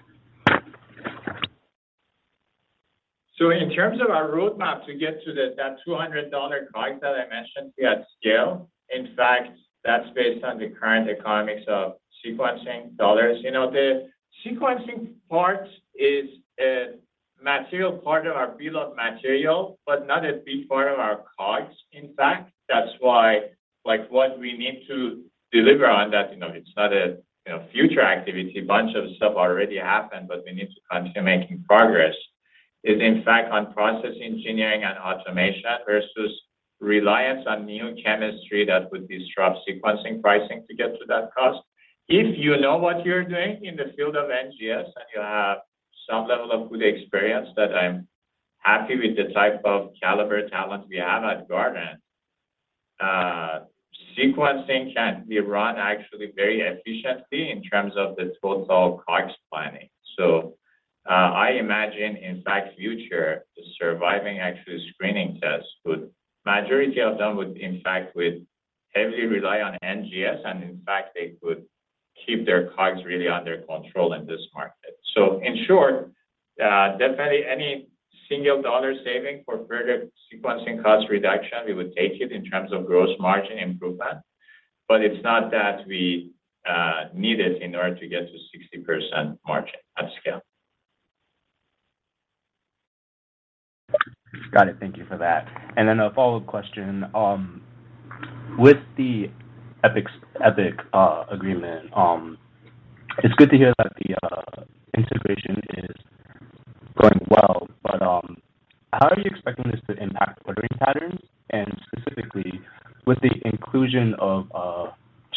In terms of our roadmap to get to that $200 COGS that I mentioned at scale, in fact, that's based on the current economics of sequencing dollars. You know, the sequencing part is a material part of our bill of material, but not a big part of our COGS. In fact, that's why, like, what we need to deliver on that, you know, it's not a, you know, future activity, bunch of stuff already happened, but we need to continue making progress, is in fact on process engineering and automation versus reliance on new chemistry that would disrupt sequencing pricing to get to that cost. If you know what you're doing in the field of NGS, and you have some level of good experience that I'm happy with the type of caliber talent we have at Guardant, sequencing can be run actually very efficiently in terms of the total COGS planning. I imagine in fact future, the surviving actually screening tests would majority of them would in fact heavily rely on NGS, and in fact they would keep their COGS really under control in this market. In short, definitely any single dollar saving for further sequencing cost reduction, we would take it in terms of gross margin improvement. But it's not that we need it in order to get to 60% margin at scale. Got it. Thank you for that. A follow-up question. With the Epic agreement, it's good to hear that the integration is going well. How are you expecting this to impact ordering patterns? Specifically with the inclusion of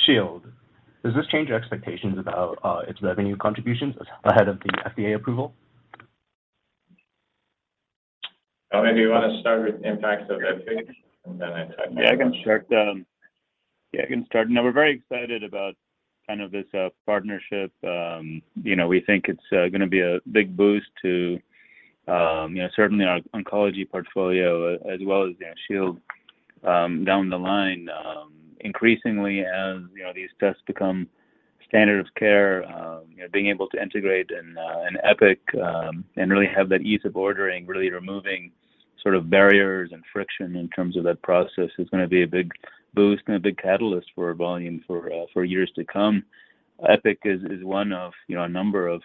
Shield, does this change your expectations about its revenue contributions ahead of the FDA approval? Well, maybe you wanna start with impacts of Epic, and then I turn to Yeah, I can start. No, we're very excited about kind of this partnership. You know, we think it's gonna be a big boost to you know, certainly our oncology portfolio as well as, yeah, Shield, down the line. Increasingly as, you know, these tests become standard of care, you know, being able to integrate in Epic, and really have that ease of ordering, really removing sort of barriers and friction in terms of that process is gonna be a big boost and a big catalyst for volume for years to come. Epic is one of, you know, a number of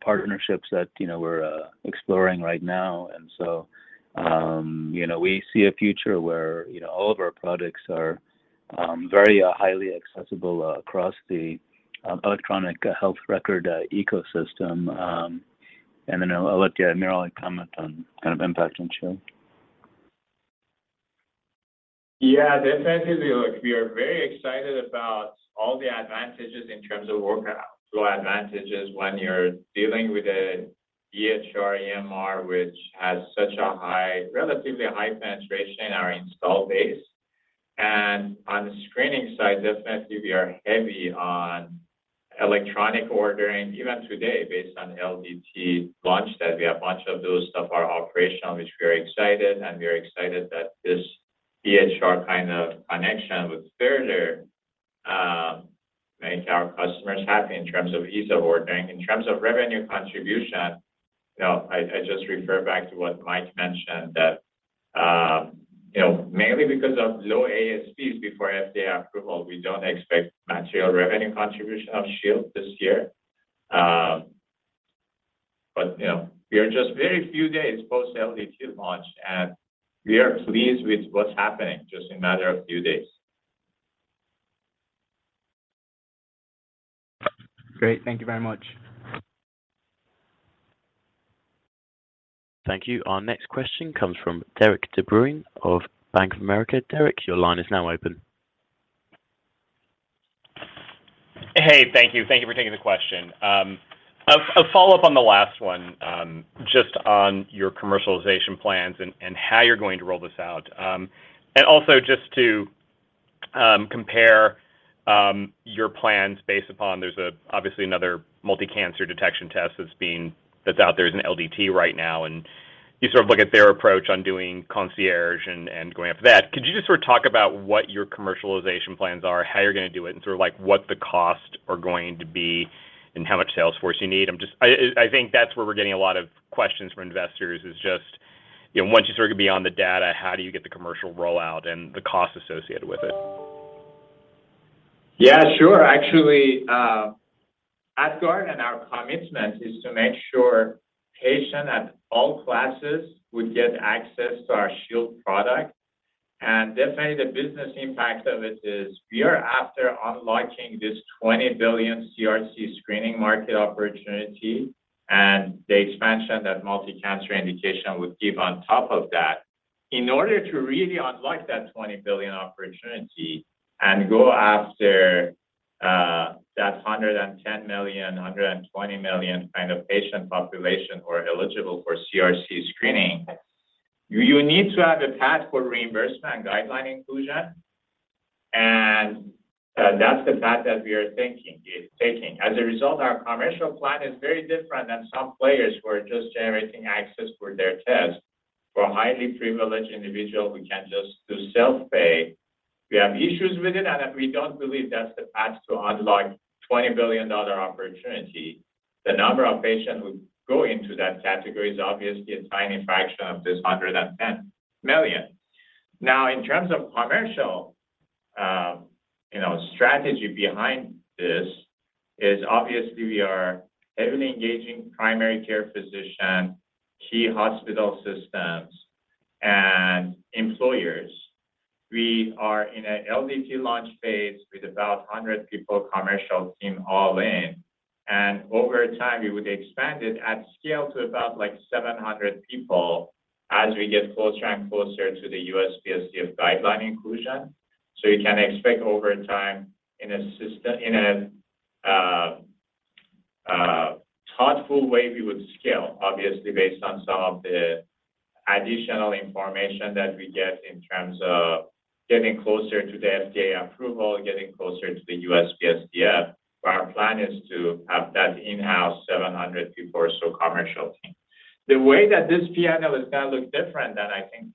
partnerships that, you know, we're exploring right now. We see a future where, you know, all of our products are very highly accessible across the electronic health record ecosystem. I'll let AmirAli Talasaz comment on kind of impact on Shield. Yeah, definitely. Look, we are very excited about all the advantages in terms of workflow advantages when you're dealing with an EHR, EMR, which has such a relatively high penetration in our install base. On the screening side, definitely we are heavy on electronic ordering. Even today, based on LDT launch that we have much of those stuff are operational, which we are excited, and we are excited that this EHR kind of connection would further make our customers happy in terms of ease of ordering. In terms of revenue contribution, you know, I just refer back to what Mike mentioned that, you know, mainly because of low ASPs before FDA approval, we don't expect material revenue contribution of Shield this year. You know, we are just very few days post-LDT launch, and we are pleased with what's happening just in a matter of few days. Great. Thank you very much. Thank you. Our next question comes from Derik De Bruin of Bank of America. Derik, your line is now open. Hey, thank you. Thank you for taking the question. A follow-up on the last one, just on your commercialization plans and how you're going to roll this out. Also just to compare your plans based upon there's obviously another multi-cancer detection test that's out there as an LDT right now, and you sort of look at their approach on doing concierge and going after that. Could you just sort of talk about what your commercialization plans are, how you're gonna do it, and sort of like what the cost are going to be and how much sales force you need? I think that's where we're getting a lot of questions from investors is just, you know, once you sort of get beyond the data, how do you get the commercial rollout and the cost associated with it? Yeah, sure. Actually, at Guardant, our commitment is to make sure patients of all classes would get access to our Shield product. Definitely the business impact of it is we are after unlocking this $20 billion CRC screening market opportunity and the expansion that multi-cancer indication would give on top of that. In order to really unlock that $20 billion opportunity and go after that $110 million-$120 million kind of patient population who are eligible for CRC screening, you need to have a path for reimbursement and guideline inclusion. That's the path that we are thinking of taking. As a result, our commercial plan is very different than some players who are just generating access for their test. For a highly privileged individual who can just do self-pay, we have issues with it and that we don't believe that's the path to unlock $20 billion opportunity. The number of patients who go into that category is obviously a tiny fraction of this 110 million. Now, in terms of commercial, you know, strategy behind this is obviously we are heavily engaging primary care physician, key hospital systems, and employers. We are in an LDT launch phase with about 100 people commercial team all in. Over time, we would expand it at scale to about like 700 people as we get closer and closer to the USPSTF guideline inclusion. You can expect over time in a thoughtful way, we would scale obviously based on some of the additional information that we get in terms of getting closer to the FDA approval, getting closer to the USPSTF. Our plan is to have that in-house 700 people or so commercial team. The way that this P&L is gonna look different than I think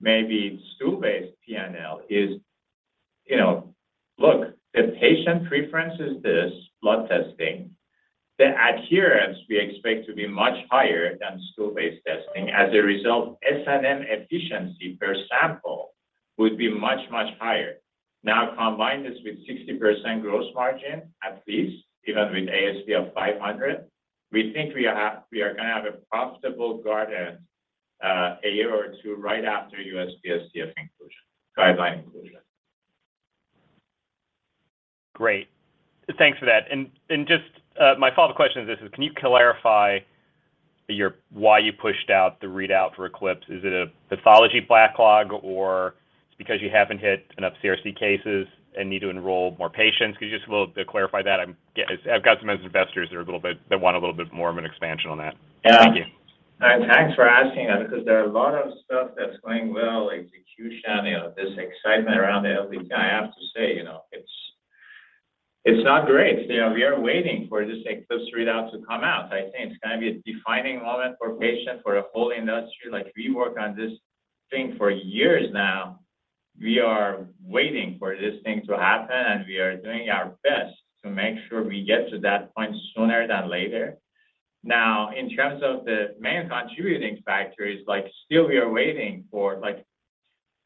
maybe stool-based P&L is, you know, look, the patient preference is this blood testing. The adherence we expect to be much higher than stool-based testing. As a result, S&M efficiency per sample would be much, much higher. Now, combine this with 60% gross margin at least, even with ASP of $500, we think we are gonna have a profitable Guardant, a year or two right after USPSTF guideline inclusion. Great. Thanks for that. Just my follow-up question to this is, can you clarify why you pushed out the readout for Eclipse? Is it a pathology backlog, or it's because you haven't hit enough CRC cases and need to enroll more patients? Could you just a little bit clarify that? As I've got some investors that want a little bit more of an expansion on that. Yeah. Thank you. Thanks for asking that because there are a lot of stuff that's going well, execution, you know, this excitement around the LDT. I have to say, you know, it's not great. You know, we are waiting for this ECLIPSE readout to come out. I think it's gonna be a defining moment for patient, for a whole industry. Like, we worked on this thing for years now. We are waiting for this thing to happen, and we are doing our best to make sure we get to that point sooner than later. Now, in terms of the main contributing factors, like, still we are waiting for. Like,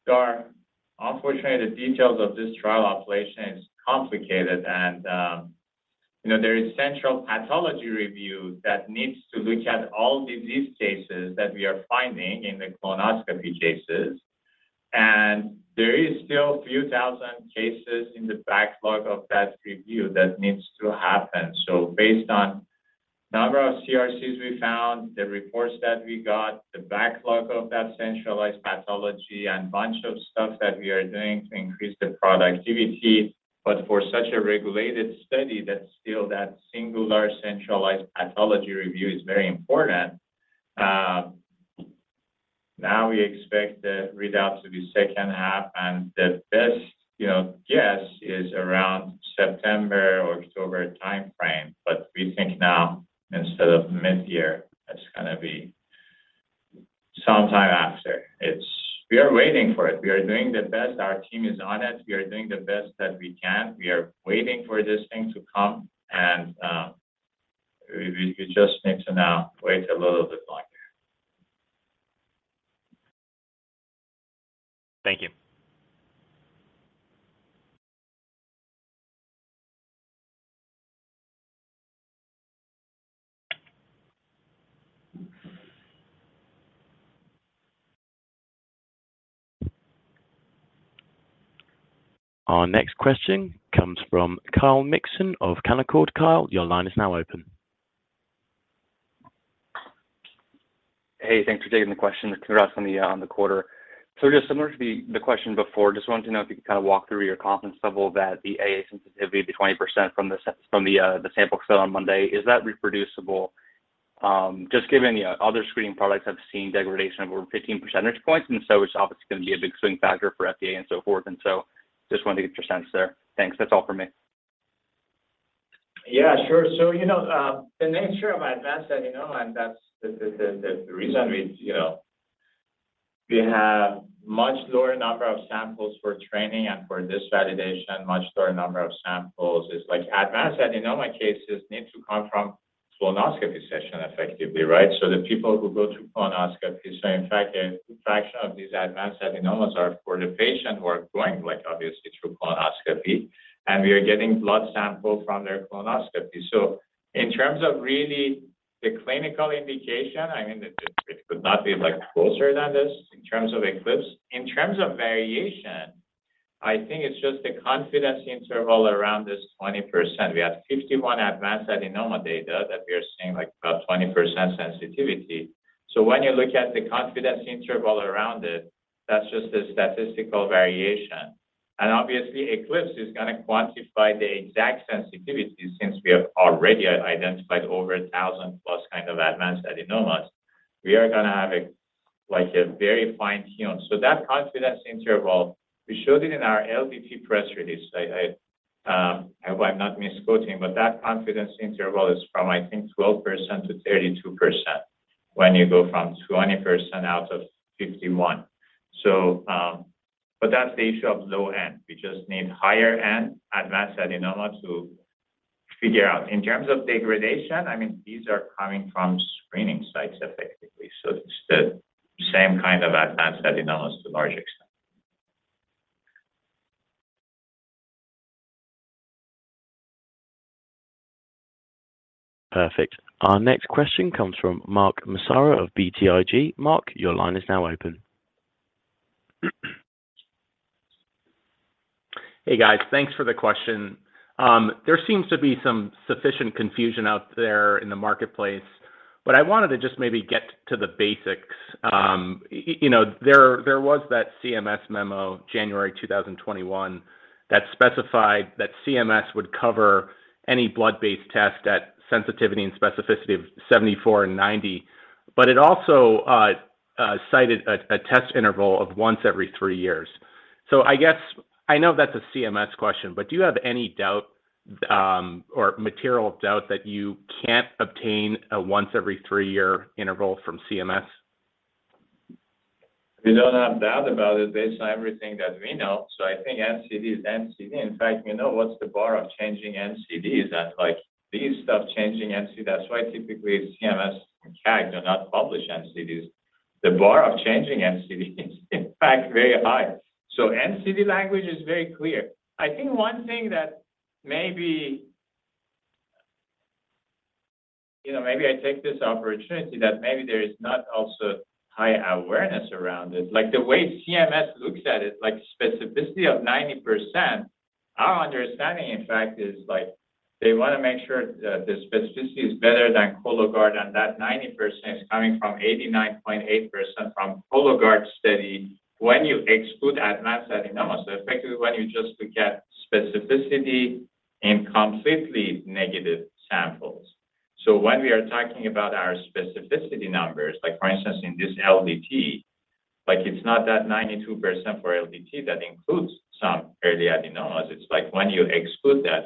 there are. Unfortunately, the details of this trial operation is complicated and, you know, there is central pathology review that needs to look at all disease cases that we are finding in the colonoscopy cases. There is still a few thousand cases in the backlog of that review that needs to happen. Based on number of CRCs we found, the reports that we got, the backlog of that centralized pathology, and bunch of stuff that we are doing to increase the productivity. For such a regulated study, that still that singular centralized pathology review is very important. Now we expect the readout to be second half, and the best, you know, guess is around September or October timeframe. We think now instead of mid-year, it's gonna be sometime after. We are waiting for it. We are doing the best. Our team is on it. We are doing the best that we can. We are waiting for this thing to come. We just need to now wait a little bit longer. Thank you. Our next question comes from Kyle Mikson of Canaccord. Kyle, your line is now open. Hey, thanks for taking the question, Kiaris, on the quarter. Just similar to the question before, just wanted to know if you could kind of walk through your confidence level that the analytical sensitivity, the 20% from the sample fill on Monday, is that reproducible? Just given the other screening products have seen degradation of over 15 percentage points, and so it's obviously going to be a big swing factor for FDA and so forth. Just wanted to get your sense there. Thanks. That's all for me. Yeah, sure. You know, the nature of advanced adenoma, and that's the reason we, you know, we have much lower number of samples for training and for this validation, much lower number of samples. It's like advanced adenoma cases need to come from colonoscopy session effectively, right? The people who go through colonoscopy, so in fact, a fraction of these advanced adenomas are for the patient who are going, like, obviously through colonoscopy, and we are getting blood sample from their colonoscopy. In terms of really the clinical indication, I mean, it could not be, like, closer than this in terms of ECLIPSE. In terms of variation, I think it's just the confidence interval around this 20%. We have 51 advanced adenoma data that we are seeing, like, about 20% sensitivity. When you look at the confidence interval around it, that's just a statistical variation. Obviously, ECLIPSE is gonna quantify the exact sensitivity since we have already identified over 1,000 plus kind of advanced adenomas. We are gonna have, like, a very fine tune. That confidence interval, we showed it in our LDT press release. I hope I'm not misquoting, but that confidence interval is from, I think, 12% to 32% when you go from 20% out of 51. That's the issue of low end. We just need higher-end advanced adenomas to figure out. In terms of degradation, I mean, these are coming from screening sites effectively, so it's the same kind of advanced adenomas to a large extent. Perfect. Our next question comes from Mark Massaro of BTIG. Mark, your line is now open. Hey, guys. Thanks for the question. There seems to be some sufficient confusion out there in the marketplace, but I wanted to just maybe get to the basics. You know, there was that CMS memo, January 2021, that specified that CMS would cover any blood-based test at sensitivity and specificity of 74 and 90, but it also cited a test interval of once every three years. I guess I know that's a CMS question, but do you have any doubt or material doubt that you can't obtain a once every three-year interval from CMS? We don't have doubt about it based on everything that we know. I think NCD is NCD. In fact, you know, what's the bar of changing NCDs? That's like these stuff changing NCD. That's why typically CMS and CAG do not publish NCDs. The bar of changing NCDs is in fact very high. NCD language is very clear. I think one thing that maybe you know, maybe I take this opportunity that maybe there is not also high awareness around it. Like, the way CMS looks at it, like, specificity of 90%, our understanding, in fact, is, like, they wanna make sure that the specificity is better than Cologuard and that 90% is coming from 89.8% from Cologuard study when you exclude advanced adenomas, so effectively when you just look at specificity in completely negative samples. When we are talking about our specificity numbers, like for instance in this LDT, like it's not that 92% for LDT that includes some early adenomas. It's like when you exclude that.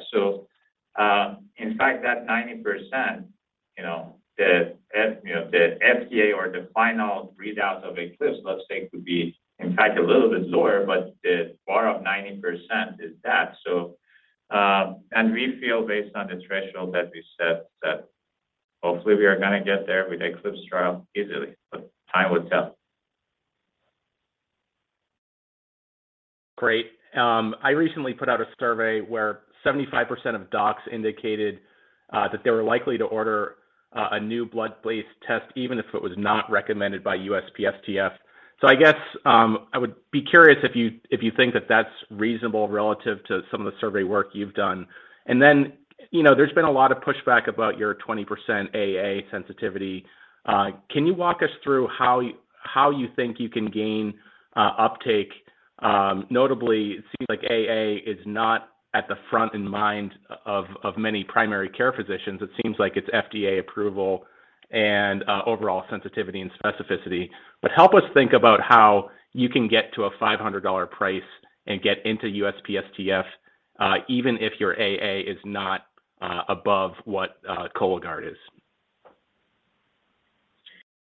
In fact that 90%, you know, the FDA or the final readout of ECLIPSE, let's say, could be in fact a little bit lower, but the bar of 90% is that. We feel based on the threshold that we set that hopefully we are gonna get there with ECLIPSE trial easily, but time will tell. Great. I recently put out a survey where 75% of docs indicated that they were likely to order a new blood-based test even if it was not recommended by USPSTF. I guess I would be curious if you think that that's reasonable relative to some of the survey work you've done. You know, there's been a lot of pushback about your 20% AA sensitivity. Can you walk us through how you think you can gain uptake? Notably, it seems like AA is not at the front in mind of many primary care physicians. It seems like it's FDA approval and overall sensitivity and specificity. Help us think about how you can get to a $500 price and get into USPSTF, even if your AA is not above what Cologuard is.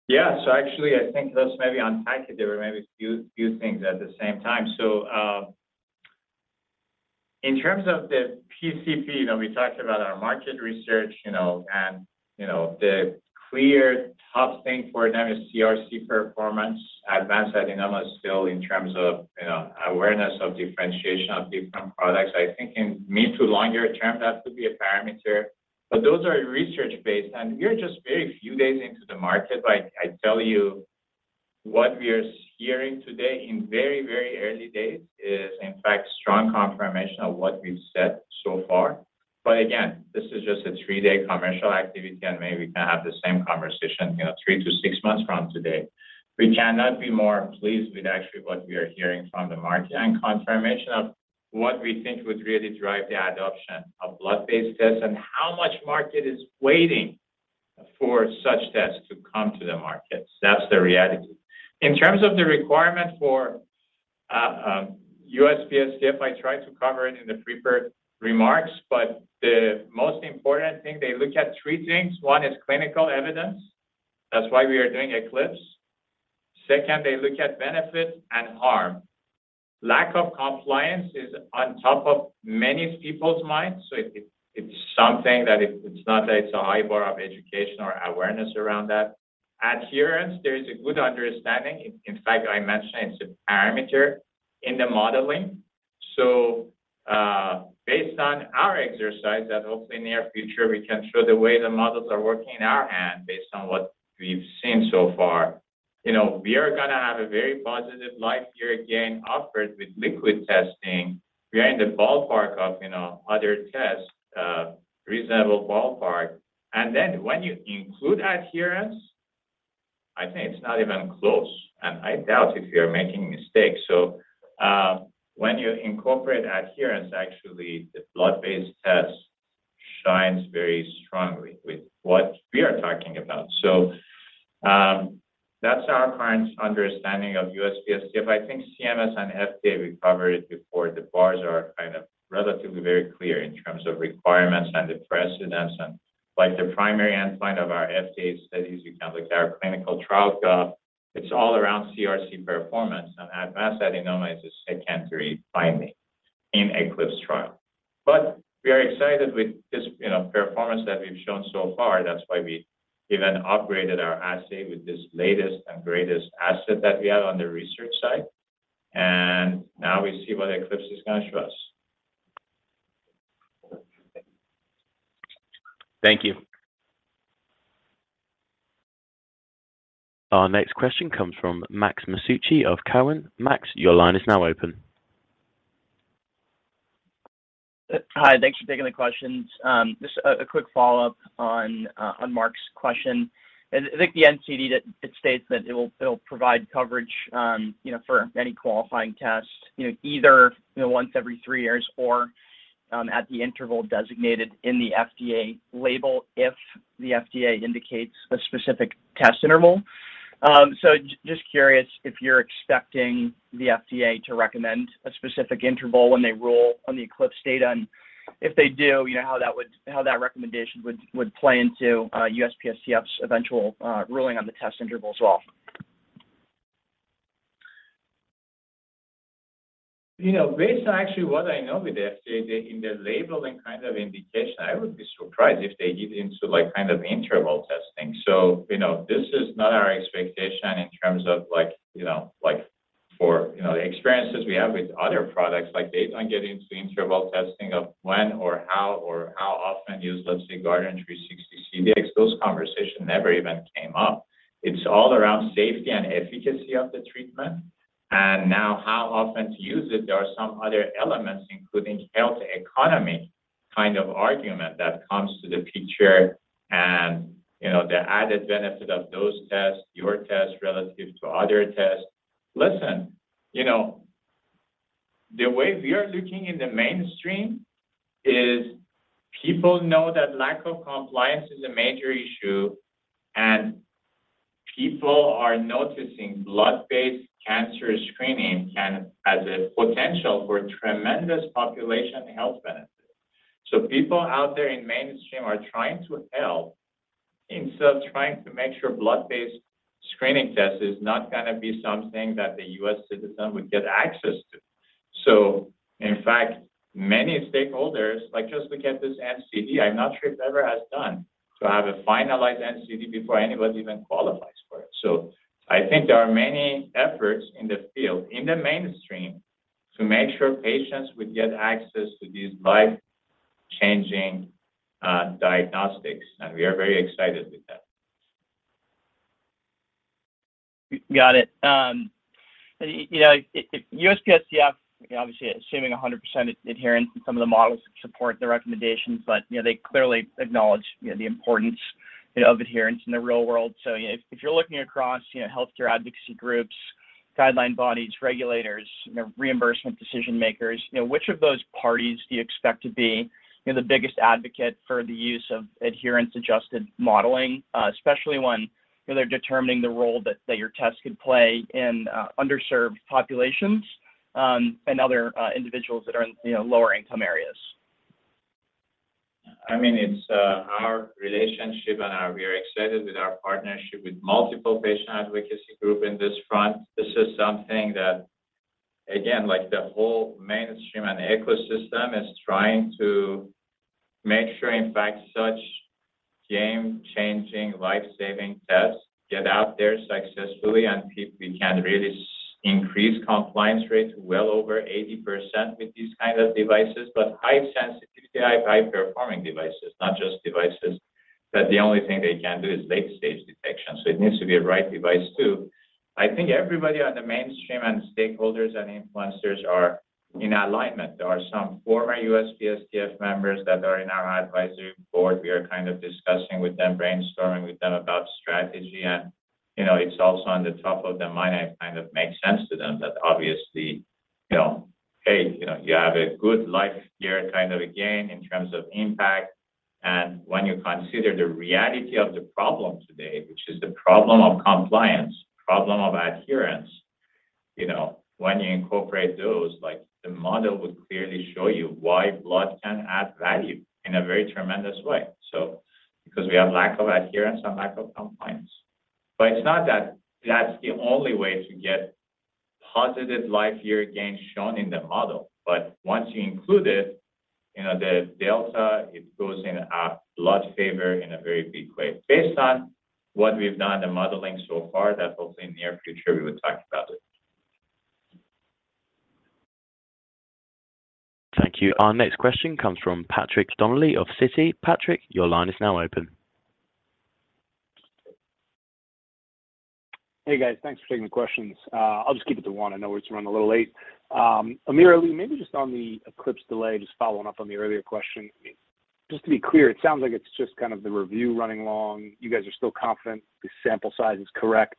Yeah. Actually I think those may be on package. There were maybe few things at the same time. In terms of the PCP, you know, we talked about our market research, you know, and you know, the clear top thing for them is CRC performance, advanced adenoma still in terms of, you know, awareness of differentiation of different products. I think in mid to longer term, that could be a parameter. Those are research-based, and we're just very few days into the market. I tell you what we are hearing today in very, very early days is in fact strong confirmation of what we've said so far. Again, this is just a three-day commercial activity, and maybe we can have the same conversation, you know, three to six months from today. We cannot be more pleased with actually what we are hearing from the market and confirmation of what we think would really drive the adoption of blood-based tests and how much market is waiting for such tests to come to the market. That's the reality. In terms of the requirement for USPSTF, I tried to cover it in the prepared remarks, but the most important thing, they look at three things. One is clinical evidence. That's why we are doing ECLIPSE. Second, they look at benefit and harm. Lack of compliance is on top of many people's minds, so it's something that it's not that it's a high bar of education or awareness around that. Adherence, there is a good understanding. In fact, I mentioned it's a parameter in the modeling. Based on our exercise that hopefully near future we can show the way the models are working in our hand based on what we've seen so far, you know, we are gonna have a very positive life year gain upward with liquid testing. We are in the ballpark of, you know, other tests, reasonable ballpark. When you include adherence, I think it's not even close, and I doubt if you're making mistakes. When you incorporate adherence, actually the blood-based test shines very strongly with what we are talking about. That's our current understanding of USPSTF. I think CMS and FDA recovered before. The bars are kind of relatively very clear in terms of requirements and the precedence and like the primary endpoint of our FDA studies, you can look at our ClinicalTrials.gov. It's all around CRC performance, and advanced adenoma is a secondary finding in ECLIPSE trial. We are excited with this, you know, performance that we've shown so far. That's why we even upgraded our assay with this latest and greatest asset that we have on the research side. Now we see what ECLIPSE is gonna show us. Thank you. Our next question comes from Max Masucci of Cowen. Max, your line is now open. Hi. Thanks for taking the questions. Just a quick follow-up on Mark's question. I think the NCD that it states that it will, it'll provide coverage, you know, for any qualifying tests, you know, either you know once every three years or at the interval designated in the FDA label if the FDA indicates a specific test interval. Just curious if you're expecting the FDA to recommend a specific interval when they rule on the ECLIPSE data, and if they do, you know, how that recommendation would play into USPSTF's eventual ruling on the test interval as well. You know, based on actually what I know with FDA, they in the labeling kind of indication, I would be surprised if they get into, like, kind of interval testing. You know, this is not our expectation in terms of like, you know, like for, you know, the experiences we have with other products, like they don't get into interval testing of when or how or how often use let's say Guardant360 CDx. Those conversation never even came up. It's all around safety and efficacy of the treatment and now how often to use it. There are some other elements, including health economy kind of argument that comes to the picture and, you know, the added benefit of those tests, your tests relative to other tests. Listen, you know, the way we are looking in the mainstream is people know that lack of compliance is a major issue, and people are noticing blood-based cancer screening has a potential for tremendous population health benefit. People out there in mainstream are trying to help instead of trying to make sure blood-based screening test is not gonna be something that the U.S. citizen would get access to. In fact, many stakeholders, like just look at this NCD, I'm not sure if ever has done to have a finalized NCD before anybody even qualifies for it. I think there are many efforts in the field, in the mainstream to make sure patients would get access to these life-changing diagnostics, and we are very excited with that. Got it. You know, if USPSTF, obviously assuming 100% adherence in some of the models support the recommendations, but you know, they clearly acknowledge you know, the importance you know, of adherence in the real world. You know, if you're looking across you know, healthcare advocacy groups, guideline bodies, regulators you know, reimbursement decision-makers you know, which of those parties do you expect to be you know, the biggest advocate for the use of adherence-adjusted modeling, especially when you know, they're determining the role that that your test could play in underserved populations and other individuals that are in you know, lower income areas? I mean, it's our relationship and our partnership with multiple patient advocacy group in this front. This is something that, again, like the whole mainstream and ecosystem is trying to make sure, in fact, such game-changing, life-saving tests get out there successfully, and we can really increase compliance rates well over 80% with these kind of devices, but high sensitivity, high-performing devices, not just devices that the only thing they can do is late-stage detection. It needs to be a right device too. I think everybody on the mainstream and stakeholders and influencers are in alignment. There are some former USPSTF members that are in our advisory board. We are kind of discussing with them, brainstorming with them about strategy, and, you know, it's also on the top of their mind and kind of makes sense to them that obviously, you know, hey, you know, you have a good life year kind of gain in terms of impact. When you consider the reality of the problem today, which is the problem of compliance, problem of adherence, you know, when you incorporate those, like the model would clearly show you why blood can add value in a very tremendous way. Because we have lack of adherence and lack of compliance. It's not that that's the only way to get positive life year gains shown in the model. Once you include it, you know, the delta, it goes in a blood favor in a very big way. Based on what we've done in the modeling so far, that's also in the near future we will talk about it. Thank you. Our next question comes from Patrick Donnelly of Citi. Patrick, your line is now open. Hey, guys. Thanks for taking the questions. I'll just keep it to one. I know it's running a little late. AmirAli, maybe just on the ECLIPSE delay, just following up on the earlier question. Just to be clear, it sounds like it's just kind of the review running long. You guys are still confident the sample size is correct.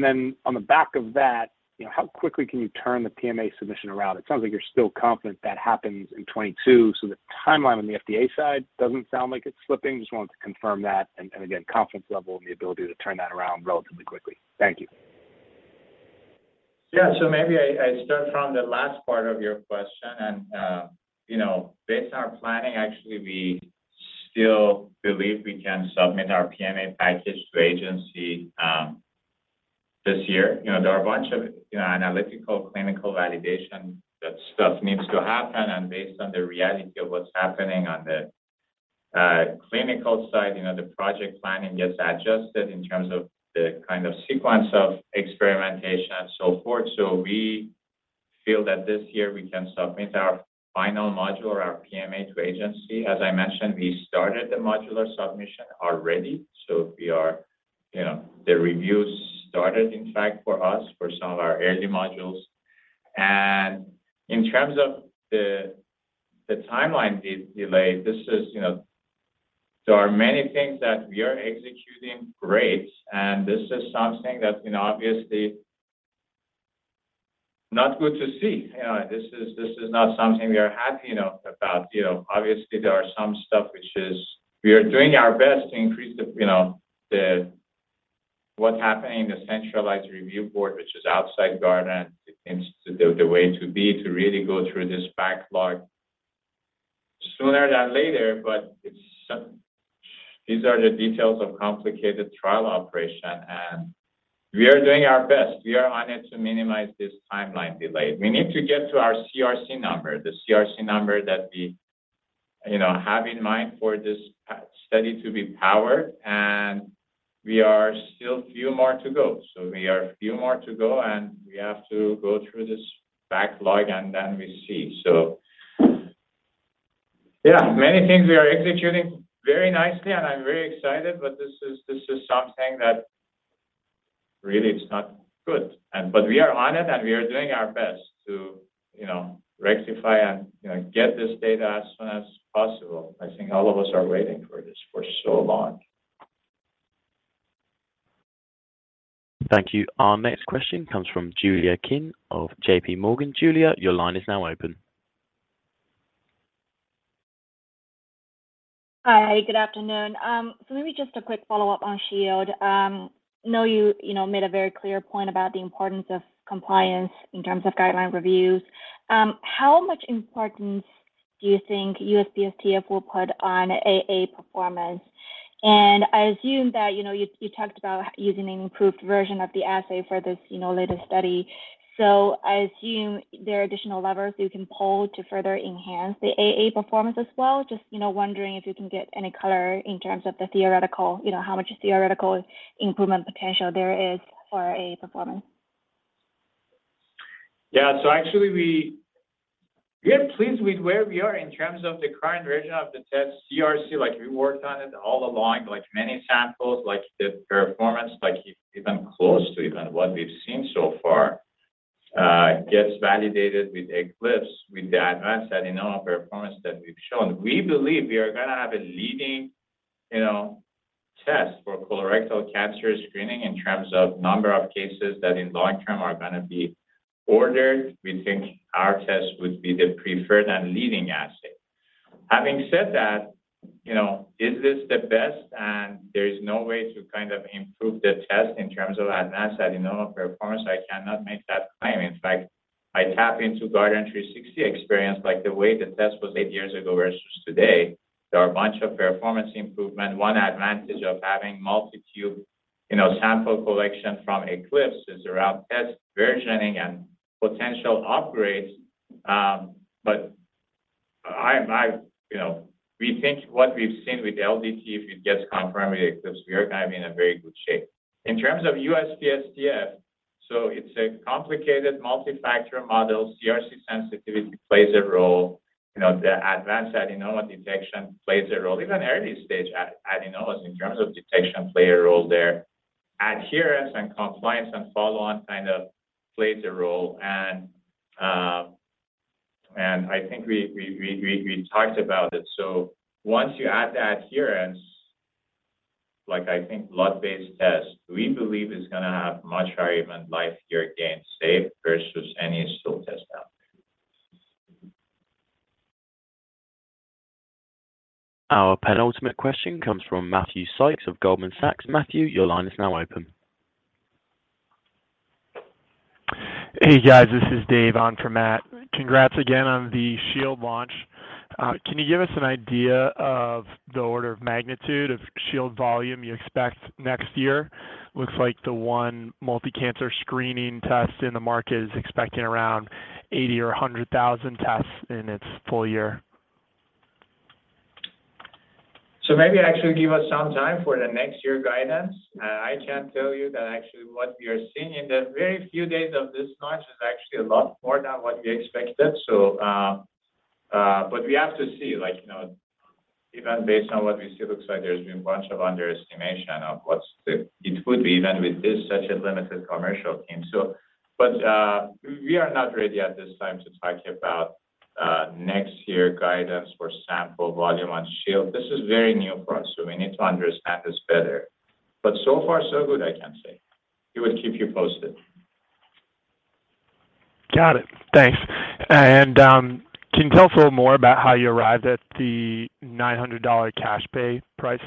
Then on the back of that, you know, how quickly can you turn the PMA submission around? It sounds like you're still confident that happens in 2022, so the timeline on the FDA side doesn't sound like it's slipping. Just wanted to confirm that and again, confidence level and the ability to turn that around relatively quickly. Thank you. Yeah. Maybe I start from the last part of your question and, you know, based on our planning, actually, we still believe we can submit our PMA package to agency this year. You know, there are a bunch of, you know, analytical, clinical validation that stuff needs to happen and based on the reality of what's happening on the clinical side, you know, the project planning gets adjusted in terms of the kind of sequence of experimentation and so forth. We feel that this year we can submit our final module or our PMA to agency. As I mentioned, we started the modular submission already, so we are, you know, the review started in fact for us for some of our early modules. In terms of the timeline delay, this is you know. There are many things that we are executing great, and this is something that's, you know, obviously not good to see. You know, this is not something we are happy, you know, about. You know, obviously there are some stuff which is we are doing our best to increase the, you know, the what's happening in the centralized review board, which is outside Guardant, and it's the way to be to really go through this backlog sooner than later. These are the details of complicated trial operation, and we are doing our best. We are on it to minimize this timeline delay. We need to get to our CRC number, the CRC number that we, you know, have in mind for this study to be powered, and we are still a few more to go. We have a few more to go, and we have to go through this backlog, and then we see. Yeah, many things we are executing very nicely, and I'm very excited, but this is something that really is not good. We are on it, and we are doing our best to, you know, rectify and, you know, get this data as soon as possible. I think all of us are waiting for this for so long. Thank you. Our next question comes from Julia Qin of J.P. Morgan. Julia, your line is now open. Hi, good afternoon. Maybe just a quick follow-up on Shield. I know you know made a very clear point about the importance of compliance in terms of guideline reviews. How much importance do you think USPSTF will put on AA performance? I assume that you know you talked about using an improved version of the assay for this you know latest study. I assume there are additional levers you can pull to further enhance the AA performance as well. Just you know wondering if you can get any color in terms of the theoretical you know how much theoretical improvement potential there is for AA performance. Yeah. Actually we are pleased with where we are in terms of the current version of the test CRC. Like, we worked on it all along, like many samples, like the performance, like even close to what we've seen so far gets validated with ECLIPSE with the advanced adenoma performance that we've shown. We believe we are gonna have a leading, you know, test for colorectal cancer screening in terms of number of cases that in long term are gonna be ordered. We think our test would be the preferred and leading assay. Having said that, you know, is this the best, and there is no way to kind of improve the test in terms of advanced adenoma performance? I cannot make that claim. In fact, I tap into Guardant360 experience, like the way the test was eight years ago versus today. There are a bunch of performance improvement. One advantage of having multi-tube, you know, sample collection from ECLIPSE is around test versioning and potential upgrades. But, you know, we think what we've seen with LDT, if it gets confirmed with ECLIPSE, we are gonna be in a very good shape. In terms of USPSTF, it's a complicated multi-factor model. CRC sensitivity plays a role. You know, the advanced adenoma detection plays a role. Even early stage adenomas, in terms of detection, play a role there. Adherence and compliance and follow-on kind of plays a role. I think we talked about it. Once you add the adherence, like I think blood-based test, we believe is gonna have much higher QALY gain, say, versus any stool test out there. Our penultimate question comes from Matthew Sykes of Goldman Sachs. Matthew, your line is now open. Hey, guys, this is Dave on for Matt. Congrats again on the Shield launch. Can you give us an idea of the order of magnitude of Shield volume you expect next year? Looks like the one multi-cancer screening test in the market is expecting around 80 or 100,000 tests in its full year. Maybe actually give us some time for the next year guidance. I can tell you that actually what we are seeing in the very few days of this launch is actually a lot more than what we expected. But we have to see, like, you know, even based on what we see looks like there's been a bunch of underestimation of what it would be even with such a limited commercial team. We are not ready at this time to talk about next year guidance for sample volume on Shield. This is very new for us, so we need to understand this better. So far so good, I can say. We will keep you posted. Got it. Thanks. Can you tell us a little more about how you arrived at the $900 cash pay price?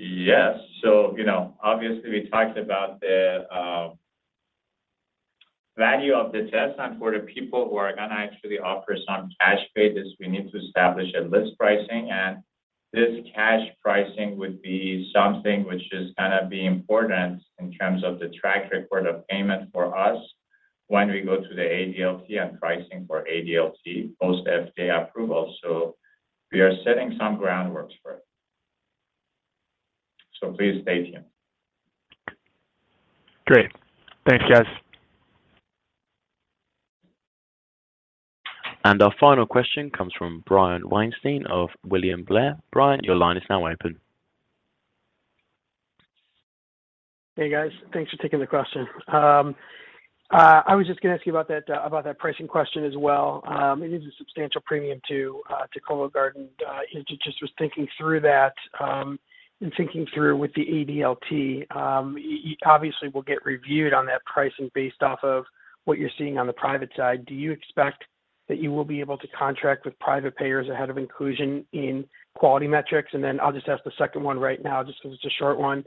Yes. You know, obviously we talked about the value of the test and for the people who are gonna actually pay cash for this, we need to establish a list pricing. This cash pricing would be something which is gonna be important in terms of the track record of payment for us when we go to the ADLT and pricing for ADLT post FDA approval. We are setting some groundwork for it. Please stay tuned. Great. Thanks, guys. Our final question comes from Brian Weinstein of William Blair. Brian, your line is now open. Hey, guys. Thanks for taking the question. I was just gonna ask you about that, about that pricing question as well. It is a substantial premium to Cologuard, and just was thinking through that, and thinking through with the ADLT. You obviously will get reviewed on that pricing based off of what you're seeing on the private side. Do you expect that you will be able to contract with private payers ahead of inclusion in quality metrics? I'll just ask the second one right now, just 'cause it's a short one,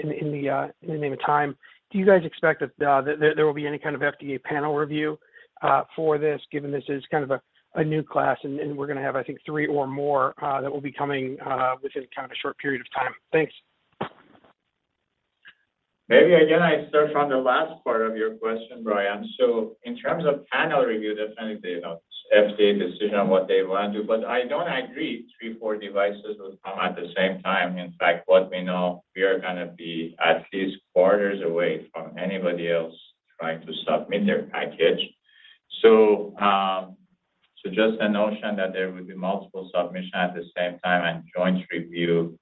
in the name of time. Do you guys expect that there will be any kind of FDA panel review for this given this is kind of a new class, and we're gonna have, I think, three or more that will be coming within kind of a short period of time? Thanks. Maybe again, I start from the last part of your question, Brian. In terms of panel review, definitely the, you know, FDA decision on what they wanna do. I don't agree three, four devices will come at the same time. In fact, what we know, we are gonna be at least quarters away from anybody else trying to submit their package. Just a notion that there would be multiple submission at the same time and joint review.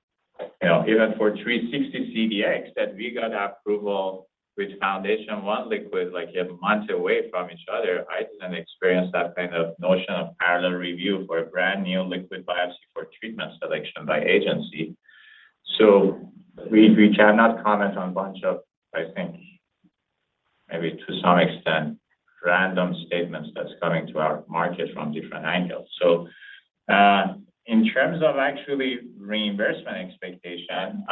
You know, even for Guardant360 CDx that we got approval with FoundationOne Liquid like a month away from each other, I didn't experience that kind of notion of parallel review for a brand new liquid biopsy for treatment selection by agency. We cannot comment on a bunch of, I think, maybe to some extent random statements that's coming to our market from different angles. In terms of actually reimbursement expectation,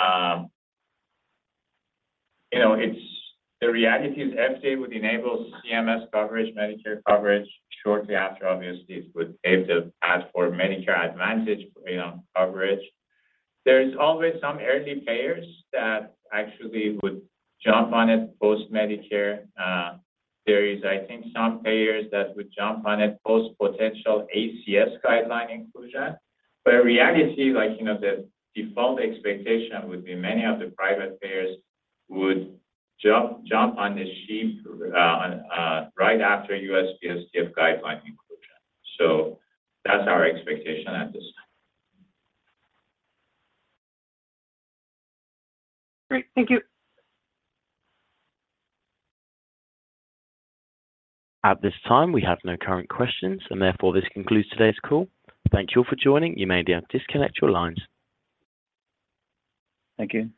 you know, the reality is FDA would enable CMS coverage, Medicare coverage shortly after obviously would pave the path for Medicare Advantage, you know, coverage. There is always some early payers that actually would jump on it post Medicare. There is I think some payers that would jump on it post potential ACS guideline inclusion. Reality is like, you know, the default expectation would be many of the private payers would jump on the Shield right after USPSTF guideline inclusion. That's our expectation at this time. Great. Thank you. At this time, we have no current questions, and therefore this concludes today's call. Thank you all for joining. You may now disconnect your lines. Thank you.